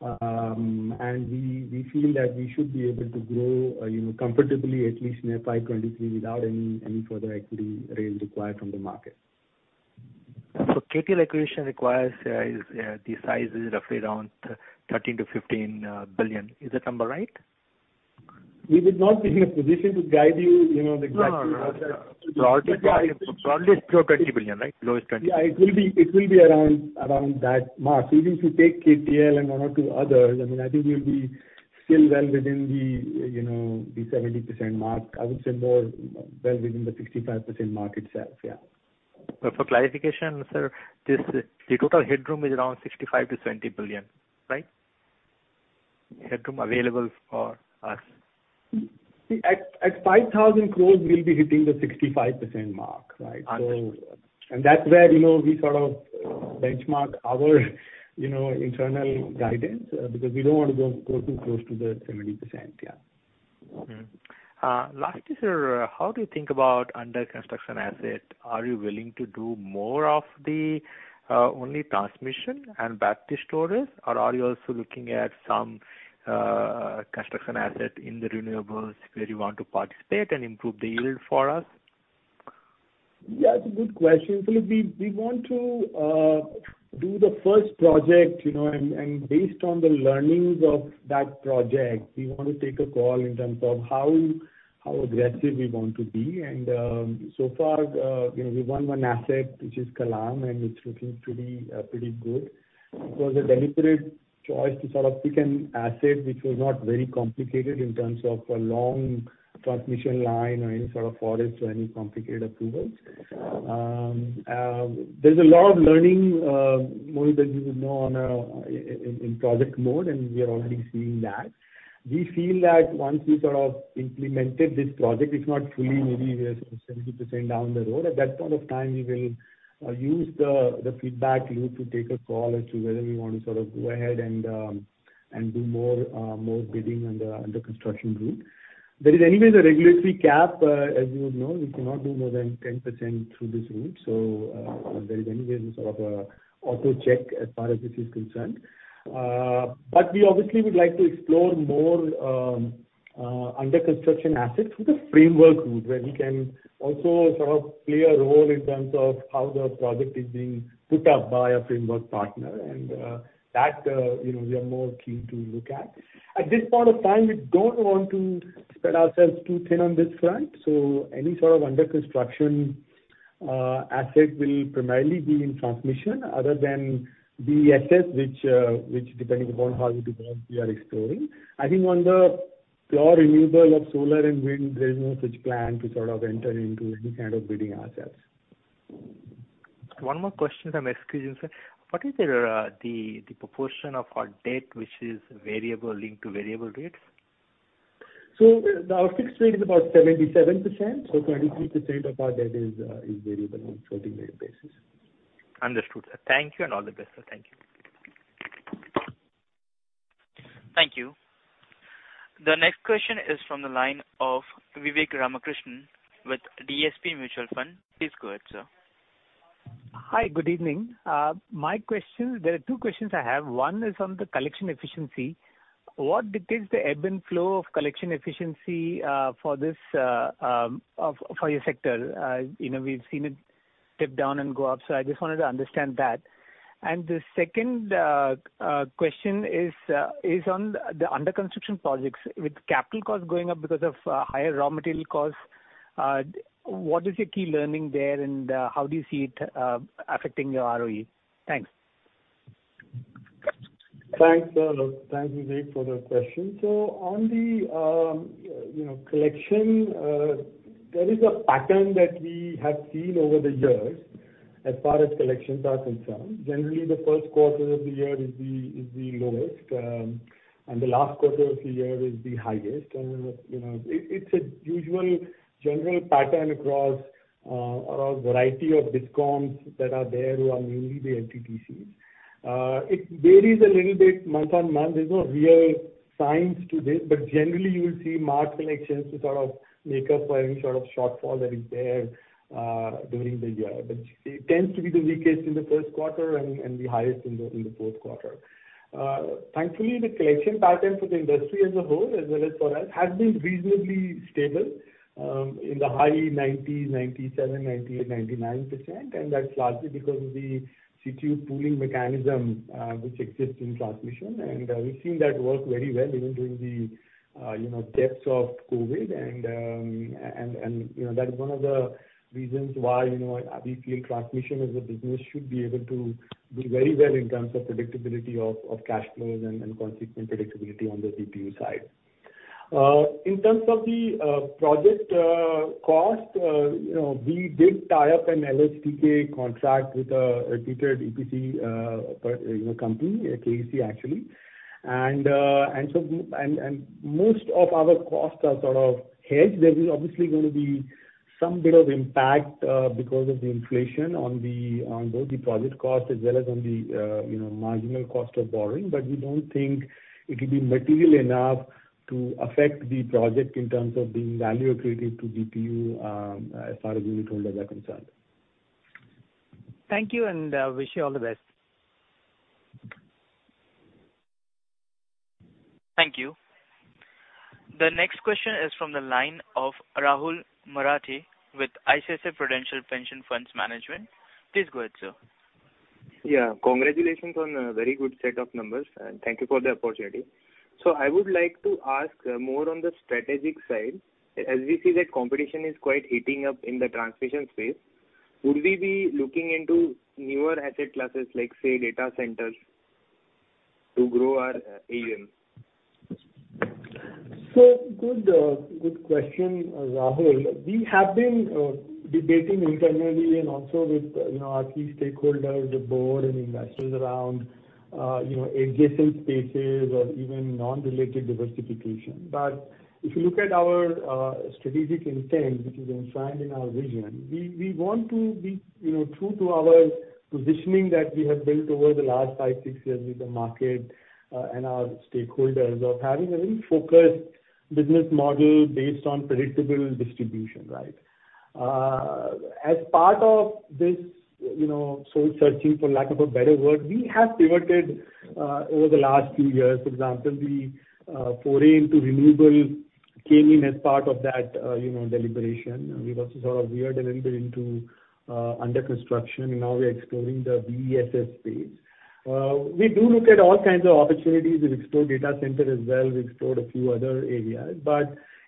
We feel that we should be able to grow, you know, comfortably at least in FY2023 without any further equity raise required from the market. KTL acquisition, the size is roughly around 13 billion-15 billion. Is that number right? We would not be in a position to guide you know, the exact. No. Probably it's close to INR 20 billion, right? Close to INR 20 billion. It will be around that mark. Even if you take KTL and one or two others, I mean, I think we'll be still well within the, you know, the 70% mark. I would say more, well within the 65% mark itself, yeah. For clarification, sir, the total headroom is around 65 billion-20 billion, right? Headroom available for us. At 5,000 crore we'll be hitting the 65% mark, right? That's where, you know, we sort of benchmark our, you know, internal guidance, because we don't want to go too close to the 70%. Yeah. Lastly, sir, how do you think about under construction asset? Are you willing to do more of the only transmission and battery storage? Or are you also looking at some construction asset in the renewables where you want to participate and improve the yield for us? Yeah, it's a good question. Look, we want to do the first project, you know, and based on the learnings of that project, we want to take a call in terms of how aggressive we want to be. So far, you know, we won one asset, which is Kalam, and it's looking to be pretty good. It was a deliberate choice to sort of pick an asset which was not very complicated in terms of a long transmission line or any sort of forest or any complicated approvals. There's a lot of learning more that we would know in project mode, and we are already seeing that. We feel that once we sort of implemented this project, it's not fully maybe we are sort of 70% down the road. At that point of time, we will use the feedback loop to take a call as to whether we want to sort of go ahead and do more bidding on the construction group. There is anyways a regulatory cap. As you would know, we cannot do more than 10% through this route. There is anyways a sort of a auto check as far as this is concerned. We obviously would like to explore more under construction assets with a framework route where we can also sort of play a role in terms of how the project is being put up by a framework partner. That, you know, we are more keen to look at. At this point of time, we don't want to spread ourselves too thin on this front. Any sort of under construction asset will primarily be in transmission other than BESS which, depending upon how it develops, we are exploring. I think on the pure renewable of solar and wind, there is no such plan to sort of enter into any kind of bidding ourselves. One more question, I'm asking, sir. What is the proportion of our debt which is variable, linked to variable rates? Our fixed rate is about 77%. 23% of our debt is variable on floating rate basis. Understood. Thank you and all the best. Thank you. Thank you. The next question is from the line of Vivek Ramakrishnan with DSP Mutual Fund. Please go ahead, sir. Hi. Good evening. My question, there are two questions I have. One is on the collection efficiency. What dictates the ebb and flow of collection efficiency for your sector? You know, we've seen it dip down and go up, so I just wanted to understand that. The second question is on the under construction projects. With capital costs going up because of higher raw material costs, what is your key learning there, and how do you see it affecting your ROE? Thanks. Thanks, Vivek, for the question. On the collection, there is a pattern that we have seen over the years as far as collections are concerned. Generally, the first quarter of the year is the lowest, and the last quarter of the year is the highest. You know, it's a usual general pattern across a variety of discoms that are there who are mainly the LTTCs. It varies a little bit month-on-month. There's no real science to this, but generally you will see March collections to sort of make up for any sort of shortfall that is there during the year. It tends to be the weakest in the first quarter and the highest in the fourth quarter. Thankfully, the collection pattern for the industry as a whole, as well as for us, has been reasonably stable in the high 90s, 97%-99%. That's largely because of the CTU pooling mechanism which exists in transmission. We've seen that work very well even during the depths of COVID. You know, that is one of the reasons why, you know, we feel transmission as a business should be able to do very well in terms of predictability of cash flows and consistent predictability on the DPU side. In terms of the project cost, you know, we did tie up an LSTK contract with a detailed EPC company, KEC actually. Most of our costs are sort of hedged. There is obviously going to be some bit of impact, because of the inflation on both the project cost as well as on the, you know, marginal cost of borrowing. We don't think it will be material enough to affect the project in terms of being value accretive to DPU, as far as unitholders are concerned. Thank you, and wish you all the best. Thank you. The next question is from the line of Rahul Marathe with ICICI Prudential Pension Funds Management. Please go ahead, sir. Yeah. Congratulations on a very good set of numbers, and thank you for the opportunity. I would like to ask more on the strategic side. As we see that competition is quite heating up in the transmission space, would we be looking into newer asset classes like, say, data centers to grow our AUM? Good question, Rahul. We have been debating internally and also with, you know, our key stakeholders, the board and investors around, you know, adjacent spaces or even non-related diversification. If you look at our strategic intent, which is enshrined in our vision, we want to be, you know, true to our positioning that we have built over the last five, six years with the market and our stakeholders of having a very focused business model based on predictable distribution, right? As part of this, you know, soul-searching, for lack of a better word, we have pivoted over the last few years. For example, the foray into renewable came in as part of that, you know, deliberation. We've also sort of veered a little bit into under construction. Now we're exploring the BESS space. We do look at all kinds of opportunities. We've explored data center as well. We've explored a few other areas.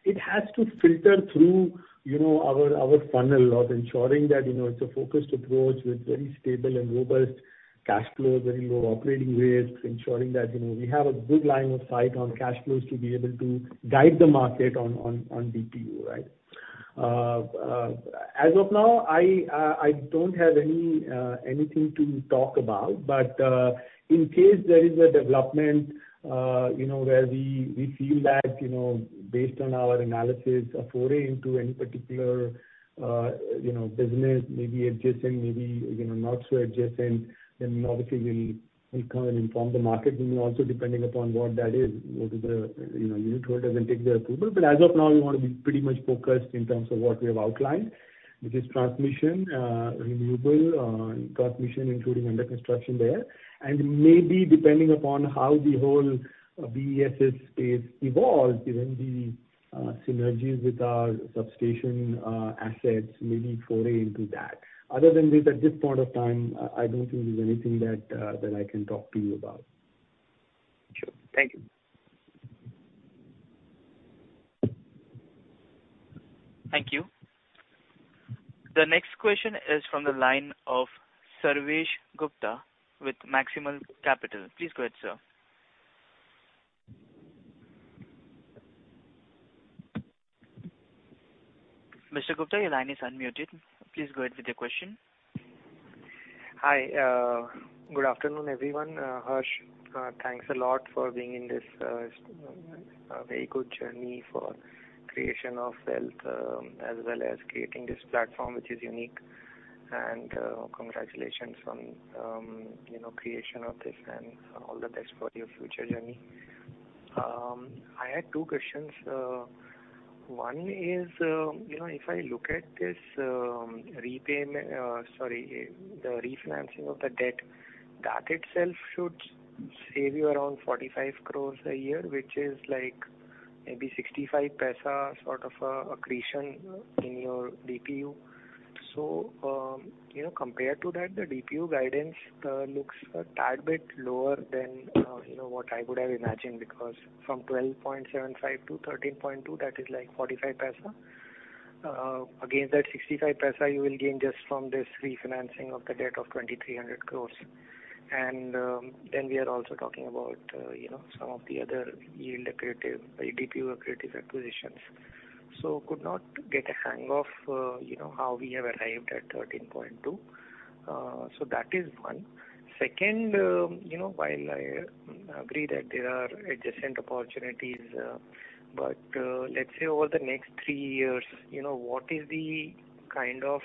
It has to filter through, you know, our funnel of ensuring that, you know, it's a focused approach with very stable and robust cash flows, very low operating risk, ensuring that, you know, we have a good line of sight on cash flows to be able to guide the market on DPU, right? As of now, I don't have anything to talk about. In case there is a development, you know, where we feel that, you know, based on our analysis, a foray into any particular, you know, business may be adjacent, may be, you know, not so adjacent, then obviously we'll come and inform the market. Also depending upon what that is, you know, unitholders will take the approval. As of now, we want to be pretty much focused in terms of what we have outlined, which is transmission, renewable, transmission including under construction there. Maybe depending upon how the whole BESS space evolves, given the synergies with our substation assets, maybe foray into that. Other than this, at this point of time, I don't think there's anything that I can talk to you about. Sure. Thank you. Thank you. The next question is from the line of Sarvesh Gupta with Maximal Capital. Please go ahead, sir. Mr. Gupta, your line is unmuted. Please go ahead with your question. Hi, good afternoon, everyone. Harsh, thanks a lot for being in this very good journey for creation of wealth, as well as creating this platform, which is unique. Congratulations on, you know, creation of this and all the best for your future journey. I had two questions. One is, you know, if I look at this, the refinancing of the debt, that itself should save you around 45 crore a year, which is like maybe 0.65 sort of accretion in your DPU. Compared to that, the DPU guidance looks a tad bit lower than, you know, what I would have imagined, because from 12.75 to 13.2, that is like 0.45. Against that 65 paisa you will gain just from this refinancing of the debt of 2,300 crore. We are also talking about, you know, some of the other yield accretive or DPU accretive acquisitions. Could not get a hang of, you know, how we have arrived at 13.2. That is one. Second, you know, while I agree that there are adjacent opportunities, but let's say over the next three years, you know, what is the kind of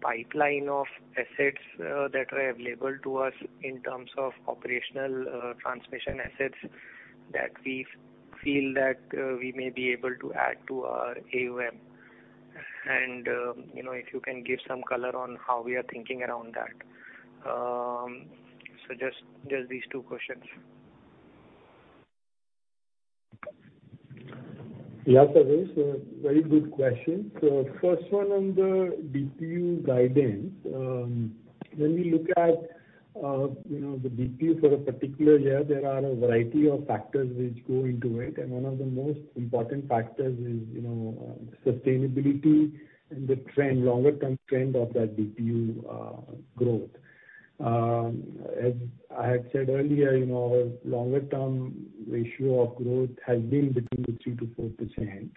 pipeline of assets that are available to us in terms of operational transmission assets that we feel that we may be able to add to our AUM? You know, if you can give some color on how we are thinking around that. Just these two questions. Yeah, Sarvesh. Very good question. First one, on the DPU guidance. When we look at you know, the DPU for a particular year, there are a variety of factors which go into it, and one of the most important factors is, you know, sustainability and the trend, longer-term trend of that DPU growth. As I had said earlier, you know, longer-term rate of growth has been between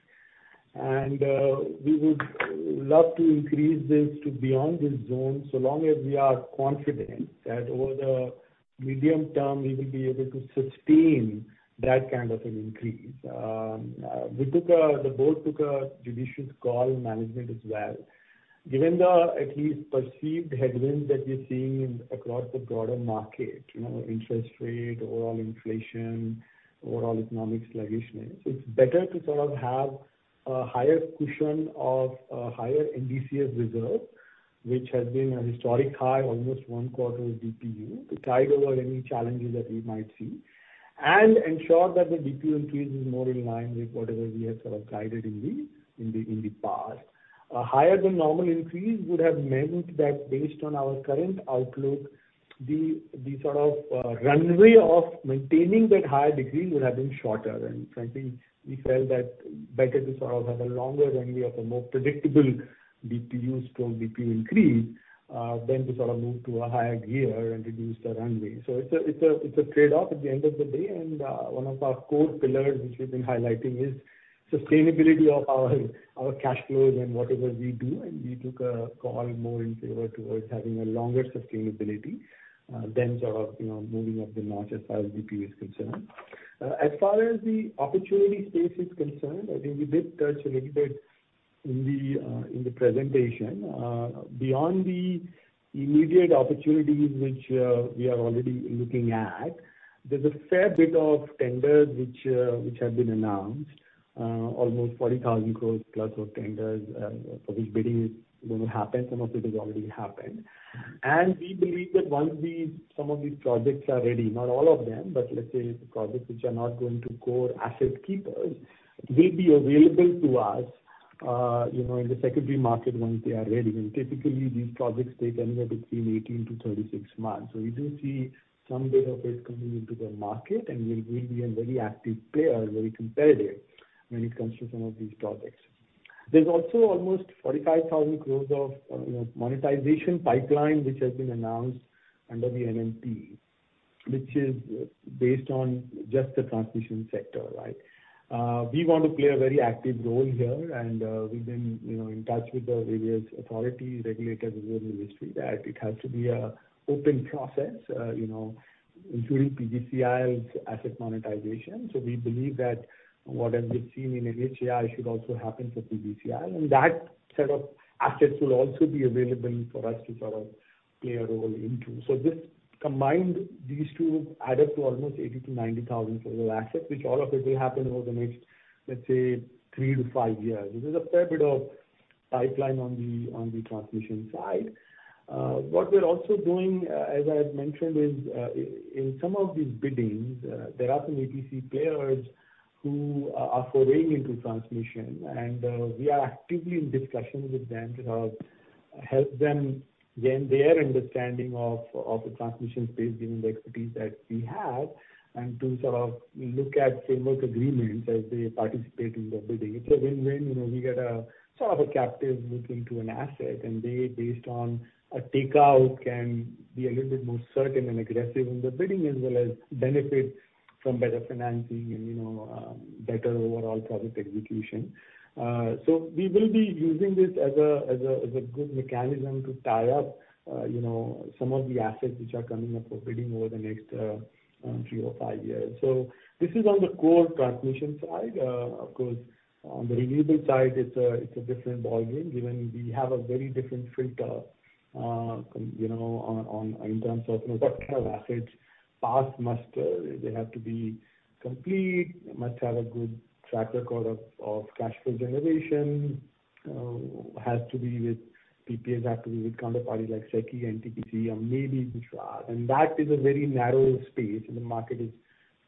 3%-4%. We would love to increase this to beyond this zone, so long as we are confident that over the medium term we will be able to sustain that kind of an increase. The board took a judicious call in management as well. Given the at least perceived headwinds that we're seeing in across the broader market, you know, interest rate, overall inflation, overall economic sluggishness, it's better to sort of have a higher cushion of a higher NDCF reserve, which has been a historic high, almost one quarter of DPU, to tide over any challenges that we might see, and ensure that the DPU increase is more in line with whatever we have sort of guided in the past. A higher than normal increase would have meant that based on our current outlook, the sort of runway of maintaining that higher degree would have been shorter. Frankly, we felt that better to sort of have a longer runway of a more predictable DPU, strong DPU increase, than to sort of move to a higher gear and reduce the runway. It's a trade-off at the end of the day. One of our core pillars which we've been highlighting is sustainability of our cash flows and whatever we do. We took a call more in favor towards having a longer sustainability than sort of, you know, moving up the notch as far as DPU is concerned. As far as the opportunity space is concerned, I think we did touch a little bit in the presentation. Beyond the immediate opportunities which we are already looking at, there's a fair bit of tenders which have been announced. Almost 40,000 crore plus of tenders for which bidding is going to happen. Some of it has already happened. We believe that once these, some of these projects are ready, not all of them, but let's say the projects which are not going to core asset keepers, will be available to us, you know, in the secondary market once they are ready. Typically these projects take anywhere between 18-36 months. We do see some bit of it coming into the market, and we will be a very active player, very competitive when it comes to some of these projects. There's also almost 45,000 crore of monetization pipeline which has been announced under the NMP, which is based on just the transmission sector, right? We want to play a very active role here and we've been, you know, in touch with the various authorities, regulators within the industry that it has to be an open process, you know, including PGCIL's asset monetization. We believe that what has been seen in NHAI should also happen for PGCIL. That set of assets will also be available for us to sort of play a role into. This combined, these two add up to almost 80,000-90,000 crores of assets, which all of it will happen over the next, let's say, three to fivve years. This is a fair bit of pipeline on the transmission side. What we're also doing, as I've mentioned is, in some of these biddings, there are some ATC players who are foraying into transmission. We are actively in discussions with them to help them gain their understanding of the transmission space, given the expertise that we have, and to sort of look at framework agreements as they participate in the bidding. It's a win-win. You know, we get a sort of a captive look into an asset, and they, based on a takeout, can be a little bit more certain and aggressive in the bidding, as well as benefit from better financing and, you know, better overall project execution. We will be using this as a good mechanism to tie up, you know, some of the assets which are coming up for bidding over the next three or five years. This is on the core transmission side. Of course, on the renewable side it's a different ballgame, given we have a very different filter, you know, in terms of, you know, what kind of assets pass muster. They have to be complete, they must have a good track record of cash flow generation. Has to be with PPAs. PPAs have to be with counterparties like SECI and NTPC, or maybe Gujarat. That is a very narrow space, and the market is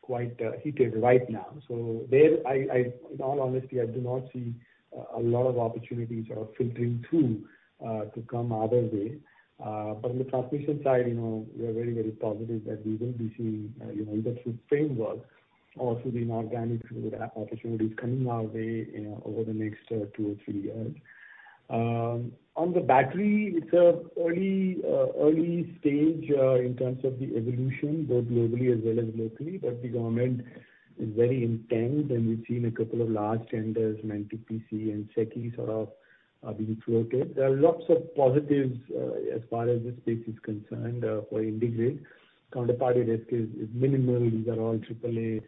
quite heated right now. There, in all honesty, I do not see a lot of opportunities sort of filtering through to come our way. On the transmission side, you know, we are very, very positive that we will be seeing, you know, either through framework or through the organic route, opportunities coming our way, you know, over the next two or three years. On the battery, it's an early stage in terms of the evolution, both globally as well as locally. The government is very intent, and we've seen a couple of large tenders, NTPC and SECI sort of being floated. There are lots of positives as far as this space is concerned for IndiGrid. Counterparty risk is minimal. These are all triple A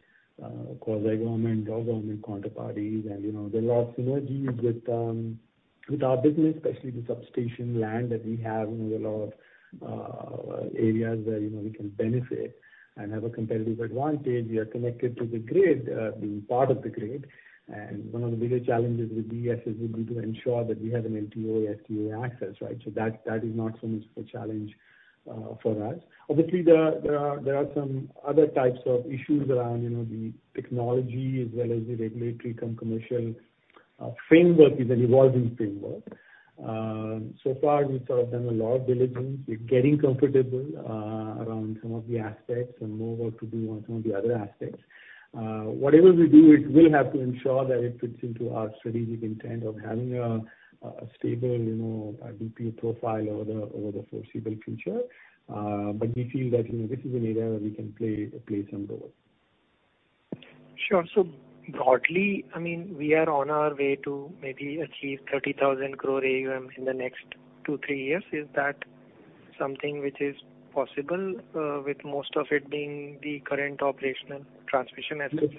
quasi-government or government counterparties. You know, there are a lot of synergies with our business, especially the substation land that we have. You know, there are a lot of areas where, you know, we can benefit and have a competitive advantage. We are connected to the grid, being part of the grid. One of the bigger challenges with these is we need to ensure that we have an MTOA/LTA access, right? That is not so much of a challenge for us. Obviously, there are some other types of issues around, you know, the technology as well as the regulatory and commercial framework is an evolving framework. So far we've sort of done a lot of diligence. We're getting comfortable around some of the aspects and more work to do on some of the other aspects. Whatever we do, it will have to ensure that it fits into our strategic intent of having a stable, you know, DPU profile over the foreseeable future. We feel that, you know, this is an area where we can play some role. Sure. Broadly, I mean, we are on our way to maybe achieve 30,000 crore AUM in the next two, three years. Is that something which is possible, with most of it being the current operational transmission assets?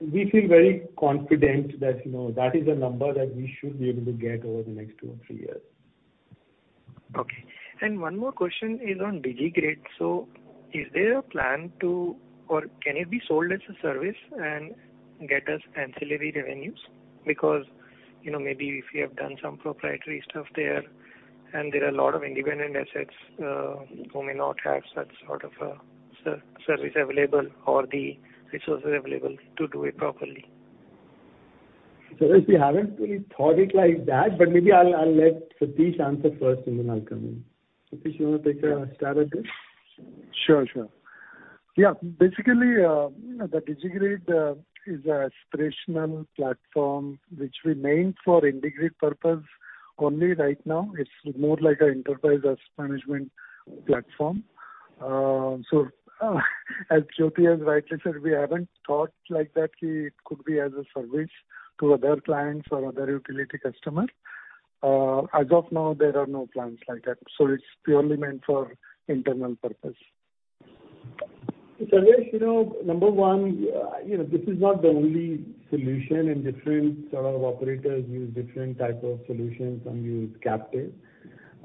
Look, we feel very confident that, you know, that is a number that we should be able to get over the next two or three years. Okay. One more question is on DigiGrid. Is there a plan to, or can it be sold as a service and get us ancillary revenues? Because, you know, maybe if you have done some proprietary stuff there, and there are a lot of independent assets, who may not have that sort of a service available or the resources available to do it properly. Sarves, we haven't really thought it like that, but maybe I'll let Satish Talmale answer first, and then I'll come in. Satish, you wanna take a stab at this? Sure, sure. Yeah. Basically, you know, the DigiGrid is a operational platform which we made for IndiGrid purpose only right now. It's more like a enterprise risk management platform. So as Jyoti has rightly said, we haven't thought like that, it could be as a service to other clients or other utility customers. As of now, there are no plans like that. It's purely meant for internal purpose. Sarvesh Gupta, you know, number one, you know, this is not the only solution, and different sort of operators use different type of solutions. Some use captive.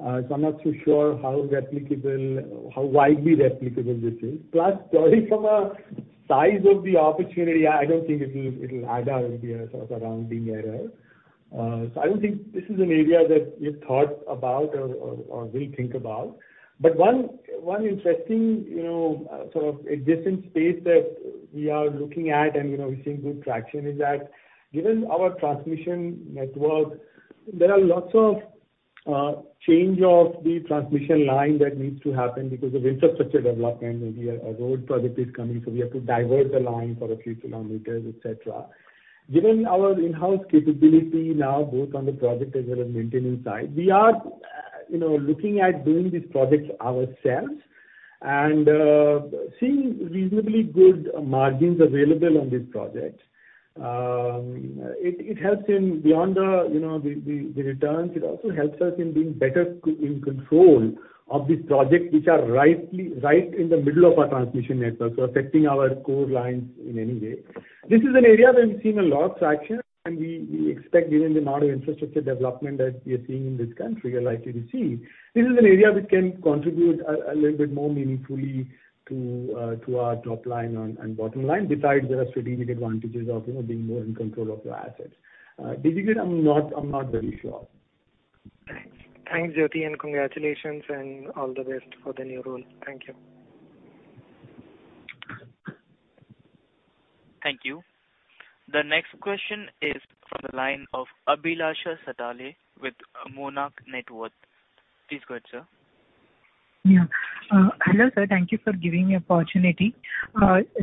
So I'm not too sure how replicable, how widely replicable this is. Plus, going from a size of the opportunity, I don't think it'll add up, you know, sort of around the era. So I don't think this is an area that we've thought about or will think about. But one interesting, you know, sort of adjacent space that we are looking at and, you know, we're seeing good traction is that given our transmission network, there are lots of change of the transmission line that needs to happen because of infrastructure development. Maybe a road project is coming, so we have to divert the line for a few kilometers, etc. Given our in-house capability now, both on the project as well as maintaining side, we are, you know, looking at doing these projects ourselves and seeing reasonably good margins available on this project. It helps us beyond the, you know, the returns. It also helps us in being better in control of these projects which are right in the middle of our transmission network, so affecting our core lines in any way. This is an area where we've seen a lot of traction, and we expect given the amount of infrastructure development that we are seeing in this country or likely to see, this is an area which can contribute a little bit more meaningfully to our top line and bottom line. Besides, there are strategic advantages of, you know, being more in control of your assets. DigiGrid, I'm not very sure. Thanks. Thanks, Jyoti, and congratulations, and all the best for the new role. Thank you. Thank you. The next question is from the line of Abhilasha Satale with Monarch Networth. Please go ahead, sir. Yeah. Hello, sir. Thank you for giving me opportunity.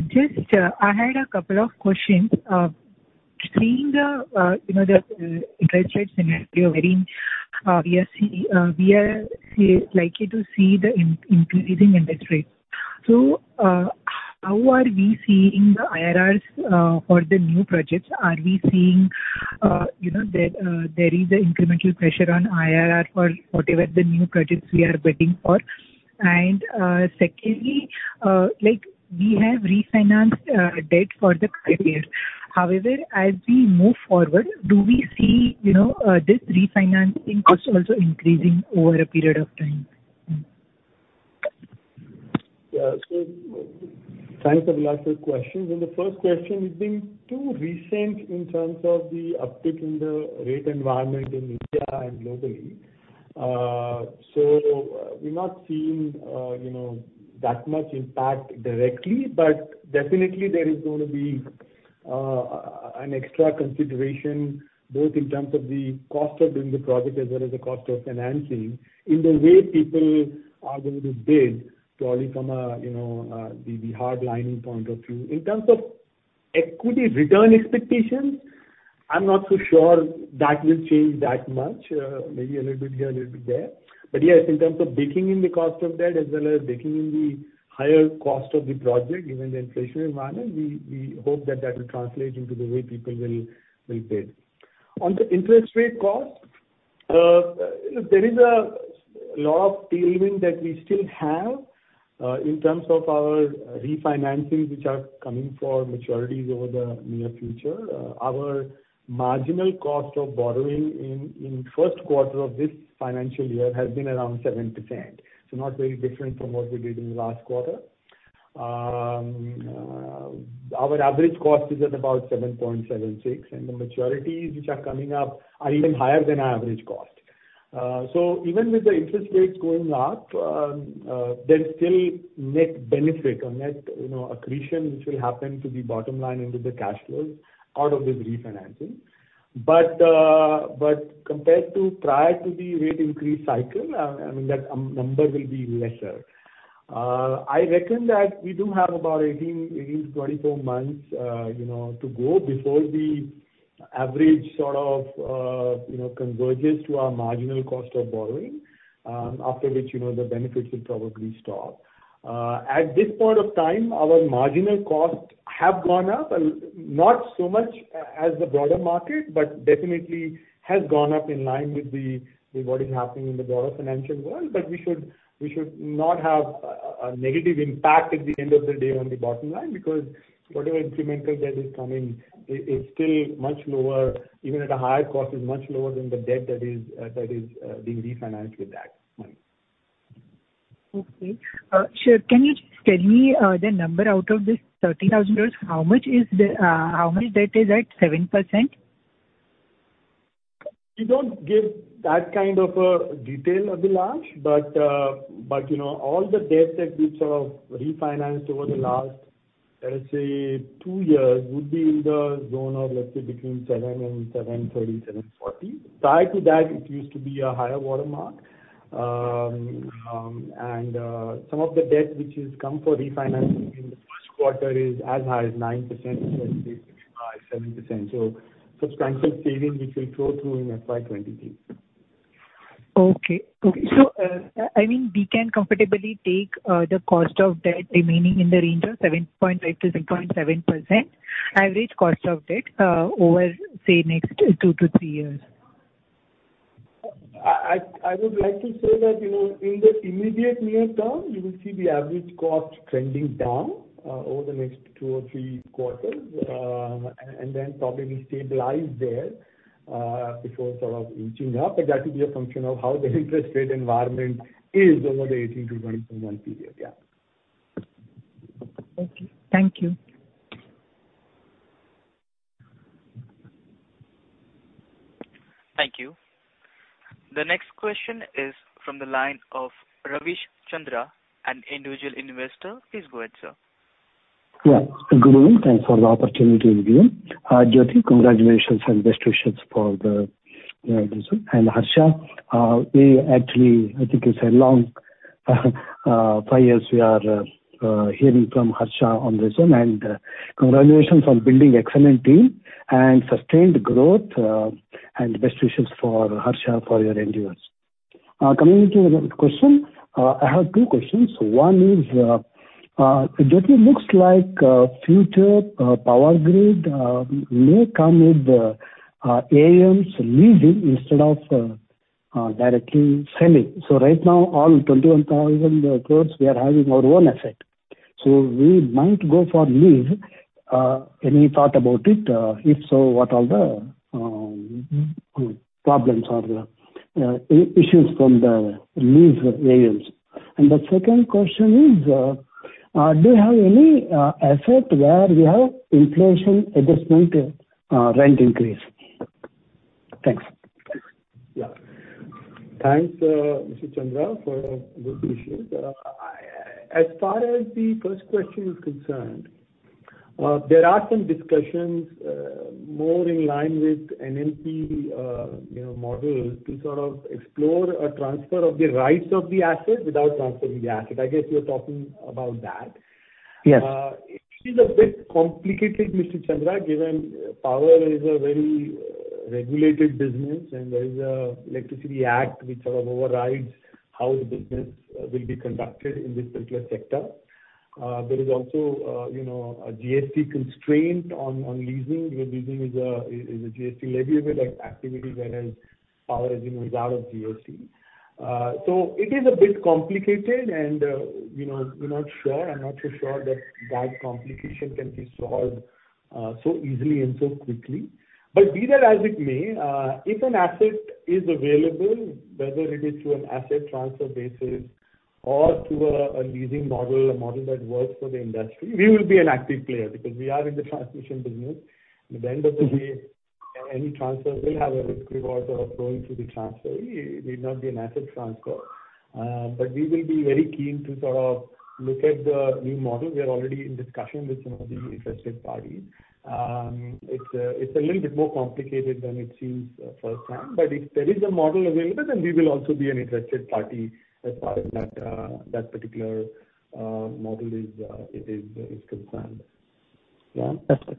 Just, I had a couple of questions. Seeing the, you know, the interest rates scenario varying, we are likely to see the increasing interest rates. How are we seeing the IRRs for the new projects? Are we seeing, you know, there is an incremental pressure on IRR for whatever the new projects we are bidding for? Secondly, like, we have refinanced debt for the current year. However, as we move forward, do we see, you know, this refinancing cost also increasing over a period of time? Yeah. Thanks, Abhilasha, for your questions. In the first question, it's been too recent in terms of the uptick in the rate environment in India and globally. We've not seen, you know, that much impact directly. But definitely there is gonna be an extra consideration both in terms of the cost of doing the project as well as the cost of financing in the way people are going to bid, probably from a, you know, the hardening point of view. In terms of equity return expectations, I'm not so sure that will change that much. Maybe a little bit here, a little bit there. Yes, in terms of baking in the cost of debt as well as baking in the higher cost of the project given the inflationary environment, we hope that will translate into the way people will bid. On the interest rate cost, there is a lot of tailwind that we still have in terms of our refinancing, which are coming for maturities over the near future. Our marginal cost of borrowing in first quarter of this financial year has been around 7%, so not very different from what we did in the last quarter. Our average cost is at about 7.76, and the maturities which are coming up are even higher than our average cost. Even with the interest rates going up, there's still net benefit or net, you know, accretion which will happen to the bottom line into the cash flows out of this refinancing. Compared to prior to the rate increase cycle, I mean, that number will be lesser. I reckon that we do have about 18-24 months, you know, to go before the average sort of, you know, converges to our marginal cost of borrowing, after which, you know, the benefits will probably stop. At this point of time, our marginal costs have gone up, and not so much as the broader market, but definitely has gone up in line with what is happening in the broader financial world. We should not have a negative impact at the end of the day on the bottom line because whatever incremental debt is coming is still much lower, even at a higher cost, is much lower than the debt that is being refinanced with that money. Okay. Sure. Can you just tell me the number out of this $30,000, how much debt is at 7%? We don't give that kind of a detail, Abhilash. You know, all the debt that we've sort of refinanced over the last, let's say two years, would be in the zone of, let's say between 7% and 7.30%-7.40%. Prior to that it used to be a higher watermark. Some of the debt which has come for refinancing in the first quarter is as high as 9%, let's say between 5%-7%. Substantial saving which will flow through in FY2023. I mean, we can comfortably take the cost of debt remaining in the range of 7.5%-7.7% average cost of debt over, say, next two to three years. I would like to say that, you know, in the immediate near term you will see the average cost trending down over the next two or three quarters. Then probably stabilize there before sort of inching up. That will be a function of how the interest rate environment is over the 18-24-month period. Okay. Thank you. Thank you. The next question is from the line of Ravish Chandra, an individual investor. Please go ahead, sir. Yeah. Good evening. Thanks for the opportunity and evening. Jyoti, congratulations and best wishes for this one. Harsh, we actually, I think it's a long five years we are hearing from Harsh on this one. Congratulations on building excellent team and sustained growth, and best wishes for Harsh for your endeavors. Coming to the question, I have two questions. One is, it definitely looks like future Power Grid may come with the InvITs leasing instead of directly selling. So right now, all 21,000 crore we are having our own asset. So we might go for lease. Any thought about it? If so, what are the problems or the issues from the lease variants? The second question is, do you have any asset where we have inflation adjustment, rent increase? Thanks. Yeah. Thanks, Mr. Chandra, for those issues. As far as the first question is concerned, there are some discussions, more in line with NMP, you know, model to sort of explore a transfer of the rights of the asset without transferring the asset. I guess you're talking about that. Yes. It is a bit complicated, Mr. Chandra, given power is a very regulated business, and there is the Electricity Act which sort of overrides how the business will be conducted in this particular sector. There is also, you know, a GST constraint on leasing, where leasing is a GST leviable activity whereas power, as you know, is out of GST. It is a bit complicated and, you know, we're not sure. I'm not too sure that that complication can be solved so easily and so quickly. Be that as it may, if an asset is available, whether it is through an asset transfer basis or through a leasing model, a model that works for the industry, we will be an active player because we are in the transmission business. At the end of the day, any transfer will have a risk reward sort of going through the transfer. It need not be an asset transfer. We will be very keen to sort of look at the new model. We are already in discussion with some of the interested parties. It's a little bit more complicated than it seems, first time, but if there is a model available, then we will also be an interested party as far as that particular model is concerned. Yeah. That's it.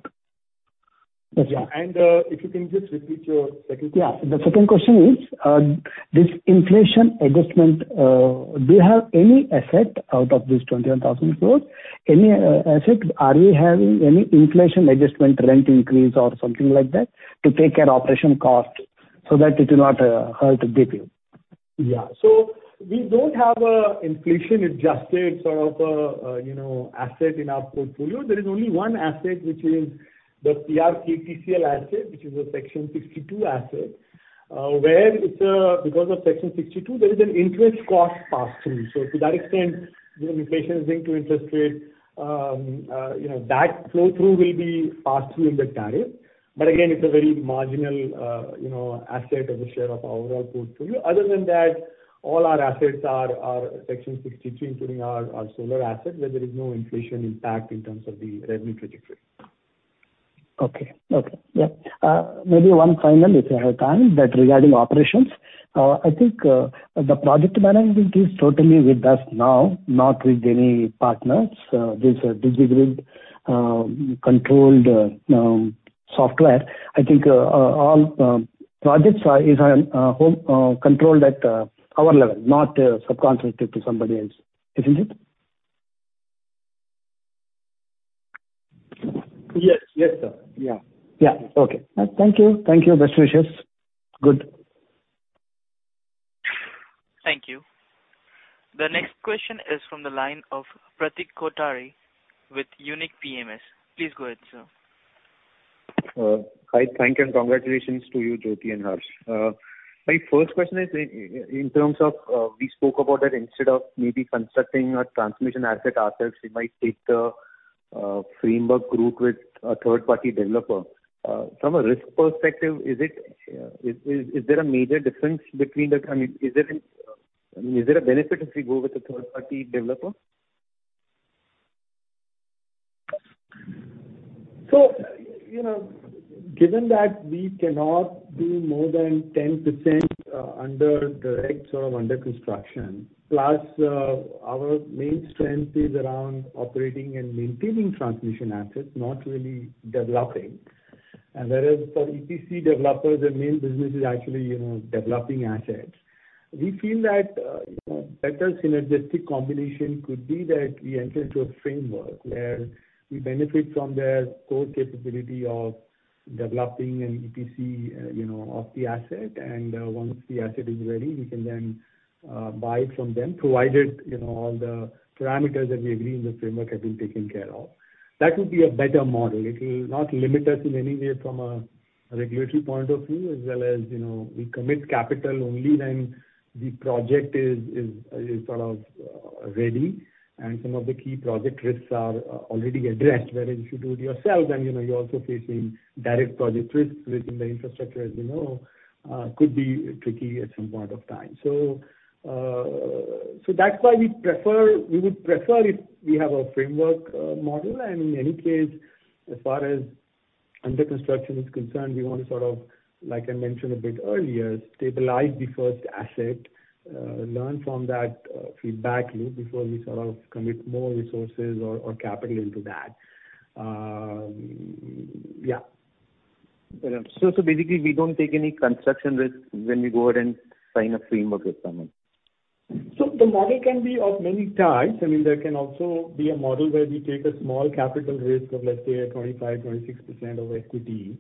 If you can just repeat your second question. The second question is, this inflation adjustment, do you have any asset out of this 21,000 crore? Any asset? Are we having any inflation adjustment rent increase or something like that to take care of operating cost so that it will not hurt the WACC. Yeah. We don't have an inflation-adjusted sort of, you know, asset in our portfolio. There is only one asset, which is the PKTCL asset, which is a Section 62 asset, where it's, because of Section 62, there is an interest cost pass through. To that extent, you know, inflation is linked to interest rate. You know, that flow through will be passed through in the tariff. Again, it's a very marginal, you know, asset as a share of overall portfolio. Other than that, all our assets are Section 62, including our solar asset, where there is no inflation impact in terms of the revenue trajectory. Maybe one final, if you have time, that regarding operations. I think the project management is totally with us now, not with any partners. There's a DigiGrid controlled software. I think all projects are in-house controlled at our level, not subcontracted to somebody else. Isn't it? Yes. Yes, sir. Yeah. Okay. Thank you. Best wishes. Good. Thank you. The next question is from the line of Pratik Kothari with Unique PMS. Please go ahead, sir. Hi. Thank and congratulations to you, Jyoti and Harsh. My first question is in terms of, we spoke about that instead of maybe constructing a transmission asset ourselves, we might take the framework route with a third-party developer. From a risk perspective, I mean, is there a benefit if we go with a third-party developer? You know, given that we cannot do more than 10% under the act or under construction, plus our main strength is around operating and maintaining transmission assets, not really developing. Whereas for EPC developers, their main business is actually, you know, developing assets. We feel that you know, better synergistic combination could be that we enter into a framework where we benefit from their core capability of developing an EPC, you know, of the asset. Once the asset is ready, we can then buy it from them, provided, you know, all the parameters that we agree in the framework have been taken care of. That would be a better model. It will not limit us in any way from a regulatory point of view, as well as, you know, we commit capital only when the project is sort of ready and some of the key project risks are already addressed. Whereas if you do it yourself, then, you know, you're also facing direct project risks within the infrastructure, as you know, could be tricky at some point of time. That's why we would prefer if we have a framework model. In any case, as far as under construction is concerned, we want to sort of, like I mentioned a bit earlier, stabilize the first asset, learn from that feedback loop before we sort of commit more resources or capital into that. Basically we don't take any construction risks when we go ahead and sign a framework with someone. The model can be of many types. I mean, there can also be a model where we take a small capital risk of, let's say, a 25%-26% of equity,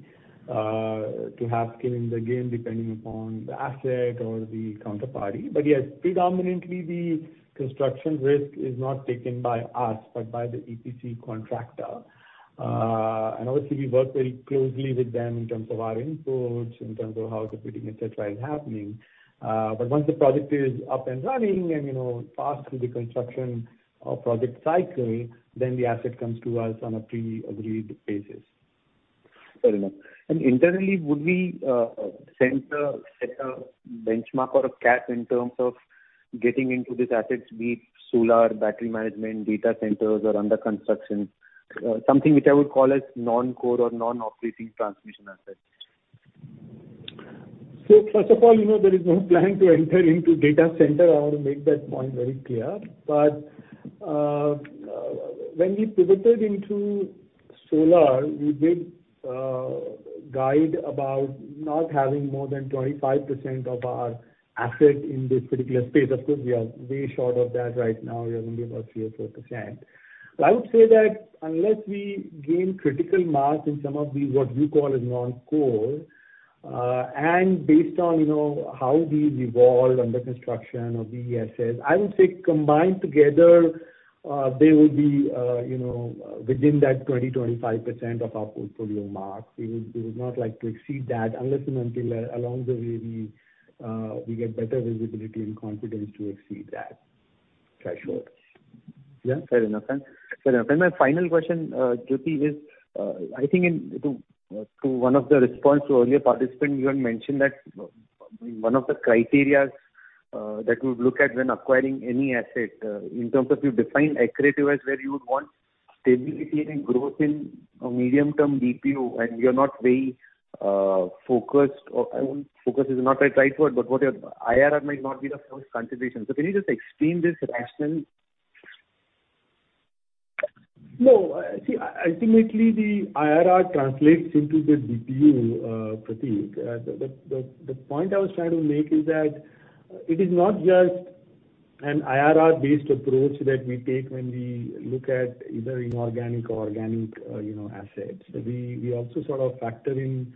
to have skin in the game depending upon the asset or the counterparty. Yes, predominantly the construction risk is not taken by us, but by the EPC contractor. Obviously we work very closely with them in terms of our inputs, in terms of how the bidding, etc., is happening. Once the project is up and running and, you know, passed through the construction or project cycle, then the asset comes to us on a pre-agreed basis. Fair enough. Internally, would we set a benchmark or a cap in terms of getting into these assets be solar, battery management, data centers or under construction? Something which I would call as non-core or non-operating transmission assets. First of all, you know, there is no plan to enter into data center. I want to make that point very clear. When we pivoted into solar, we did guide about not having more than 25% of our asset in this particular space. Of course, we are way short of that right now. We are only about 3% or 4%. I would say that unless we gain critical mass in some of these, what you call as non-core, and based on, you know, how these evolve under construction or BESS, I would say combined together, they will be, you know, within that 20%-25% of our portfolio mark. We would not like to exceed that unless and until, along the way we get better visibility and confidence to exceed that threshold. Yeah. Fair enough. Fair enough. My final question, Jyoti is, I think into one of the responses to earlier participant, you had mentioned that one of the criteria that you look at when acquiring any asset in terms of you define accretive as where you would want stability and growth in a medium-term DPU, and you're not very focused. Focus is not the right word, but what your IRR might not be the first consideration. Can you just explain this rationale? No. See, ultimately, the IRR translates into the DPU, Pratik. The point I was trying to make is that it is not just an IRR-based approach that we take when we look at either inorganic or organic, you know, assets. We also sort of factor in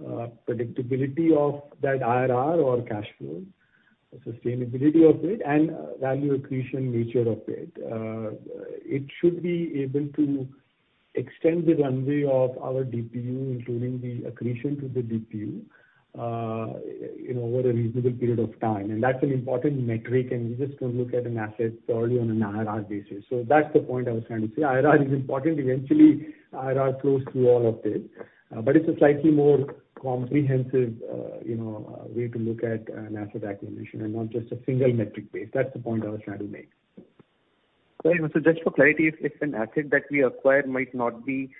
predictability of that IRR or cash flow, the sustainability of it and value accretion nature of it. It should be able to extend the runway of our DPU, including the accretion to the DPU, you know, over a reasonable period of time. That's an important metric, and we just don't look at an asset purely on an IRR basis. That's the point I was trying to say. IRR is important. Eventually, IRR flows through all of this. It's a slightly more comprehensive, you know, way to look at an asset acquisition and not just a single metric-based. That's the point I was trying to make. Fair enough. Just for clarity, if an asset that we acquire might not be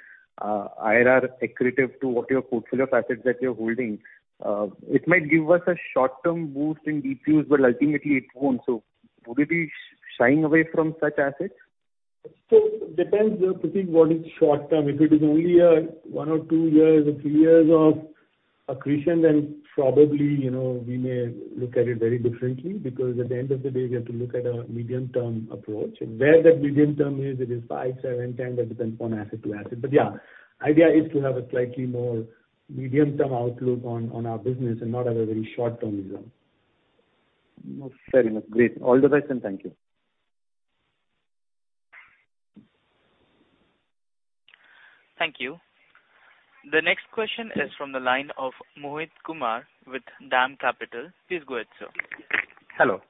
IRR accretive to what your portfolio of assets that you're holding, it might give us a short-term boost in DPUs, but ultimately it won't. Would we be shying away from such assets? Depends, Pratik, what is short term. If it is only one or two years or three years of accretion, then probably, you know, we may look at it very differently. Because at the end of the day, we have to look at a medium-term approach. Where that medium term is, it is five, seven, 10. That depends from asset to asset. Yeah, idea is to have a slightly more medium-term outlook on our business and not have a very short-term view. No, fair enough. Great. All the best, and thank you. Thank you. The next question is from the line of Mohit Kumar with DAM Capital. Please go ahead, sir. Hello.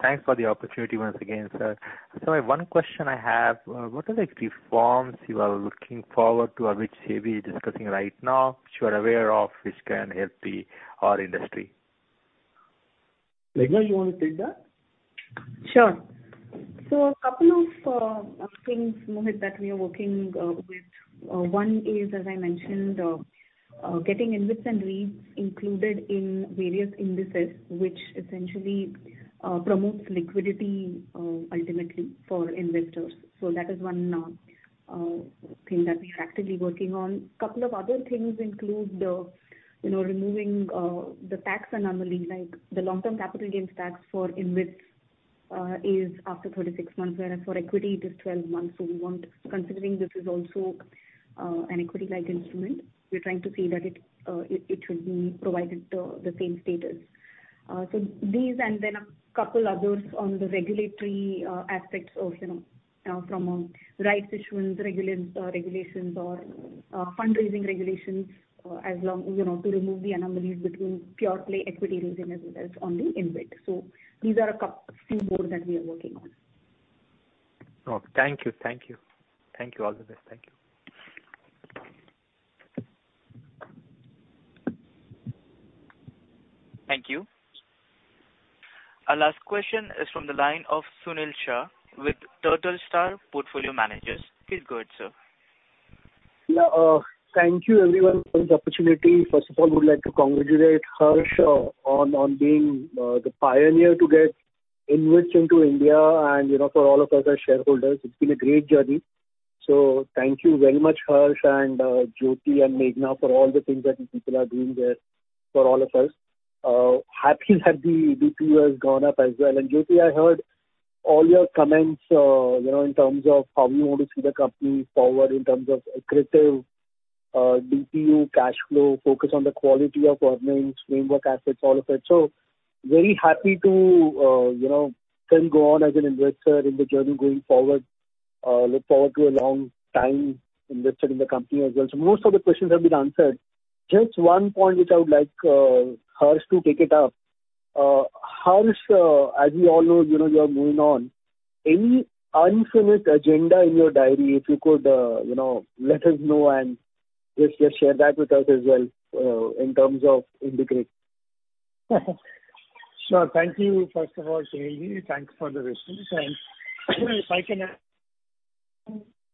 Thanks for the opportunity once again, sir. One question I have, what are the key reforms you are looking forward to or which SEBI is discussing right now, which you are aware of, which can help our industry? Meghana, you wanna take that? Sure. A couple of things, Mohit, that we are working with. One is, as I mentioned, getting InvITs and REITs included in various indices, which essentially promotes liquidity, ultimately for investors. That is one thing that we're actively working on. A couple of other things include, you know, removing the tax anomaly, like the long-term capital gains tax for InvITs is after 36 months, whereas for equity it is 12 months. We want, considering this is also an equity-like instrument, we're trying to see that it should be provided the same status. These and then a couple others on the regulatory aspects of, you know, from a rights issuance regulations or fundraising regulations, as long, you know, to remove the anomalies between pure play equity raising as well as on the InvIT. These are a few more that we are working on. Okay. Thank you. All the best. Thank you. Thank you. Our last question is from the line of Sunil Shah with Turtle Star Portfolio Managers. Please go ahead, sir. Thank you everyone for this opportunity. First of all, I would like to congratulate Harsh on being the pioneer to get InvITs into India and, you know, for all of us as shareholders, it's been a great journey. Thank you very much, Harsh and Jyoti and Meghana, for all the things that you people are doing there for all of us. Happy that the DPU has gone up as well. Jyoti, I heard all your comments, you know, in terms of how you want to see the company forward in terms of accretive DPU cash flow, focus on the quality of earnings, renewable assets, all of that. Very happy to, you know, then go on as an investor in the journey going forward. Look forward to a long time invested in the company as well. Most of the questions have been answered. Just one point which I would like Harsh to take up. Harsh, as we all know, you know, you are moving on. Any unfinished agenda in your diary, if you could, you know, let us know, and just share that with us as well, in terms of IndiGrid. Sure. Thank you first of all, Sunil. Thanks for the wishes. Sunil, if I can,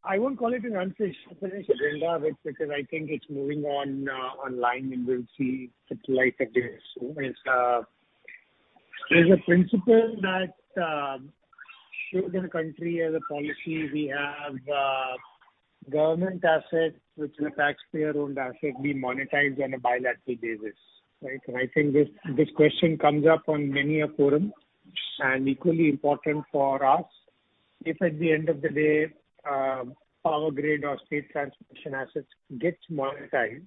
I won't call it an unfinished agenda because I think it's moving on online, and we'll see light at the end soon. There's a principle that the country has chosen as a policy. We have government assets, which are taxpayer-owned assets, to be monetized on a bilateral basis. Right? I think this question comes up on many a forum, and equally important for us, if at the end of the day, Power Grid or state transmission assets gets monetized,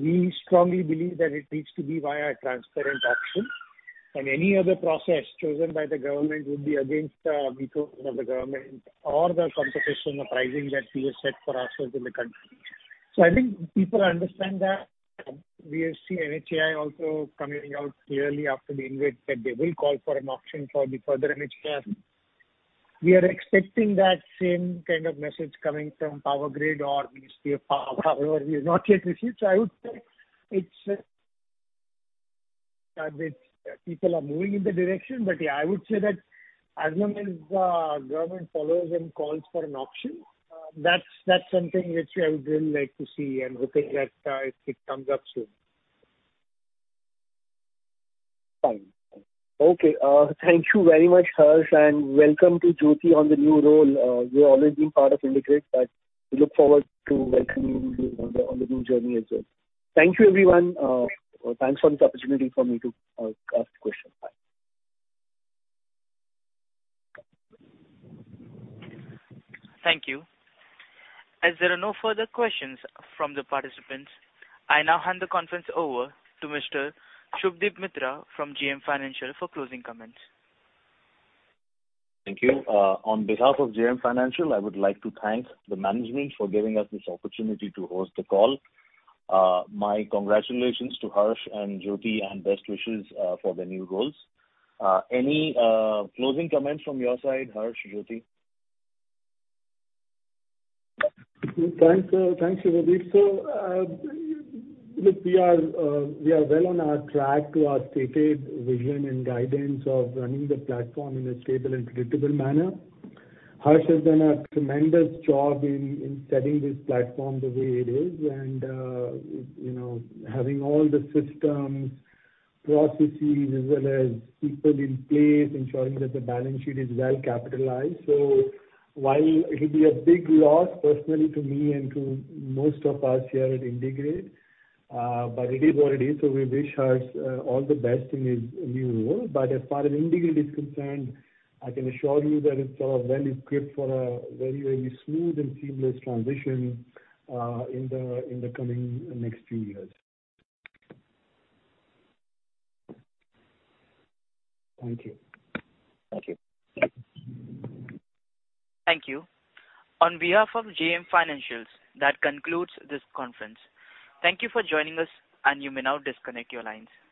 we strongly believe that it needs to be via a transparent auction, and any other process chosen by the government would be against the principles of the government or the competitive pricing that we have set for ourselves in the country. I think people understand that. We have seen NHAI also coming out clearly after the InvIT that they will call for an auction for the further NHAI assets. We are expecting that same kind of message coming from Power Grid or Ministry of Power. However, we have not yet received. I would say it's that people are moving in the direction. Yeah, I would say that as long as government follows and calls for an auction, that's something which I would really like to see and hoping that it comes up soon. Fine. Okay. Thank you very much, Harsh, and welcome to Jyoti on the new role. You've always been part of IndiGrid, but we look forward to welcoming you on the new journey as well. Thank you, everyone. Thanks for this opportunity for me to ask questions. Bye. Thank you. As there are no further questions from the participants, I now hand the conference over to Mr. Subhadip Mitra from JM Financial for closing comments. Thank you. On behalf of JM Financial, I would like to thank the management for giving us this opportunity to host the call. My congratulations to Harsh and Jyoti and best wishes for their new roles. Any closing comments from your side, Harsh, Jyoti? Thanks, Subhadip. Look, we are well on our track to our stated vision and guidance of running the platform in a stable and predictable manner. Harsh has done a tremendous job in setting this platform the way it is and, you know, having all the systems, processes as well as people in place, ensuring that the balance sheet is well capitalized. While it will be a big loss personally to me and to most of us here at IndiGrid, but it is what it is. We wish Harsh all the best in his new role. As far as IndiGrid is concerned, I can assure you that it's well equipped for a very, very smooth and seamless transition in the coming next few years. Thank you. Thank you. Thank you. On behalf of JM Financial, that concludes this conference. Thank you for joining us, and you may now disconnect your lines.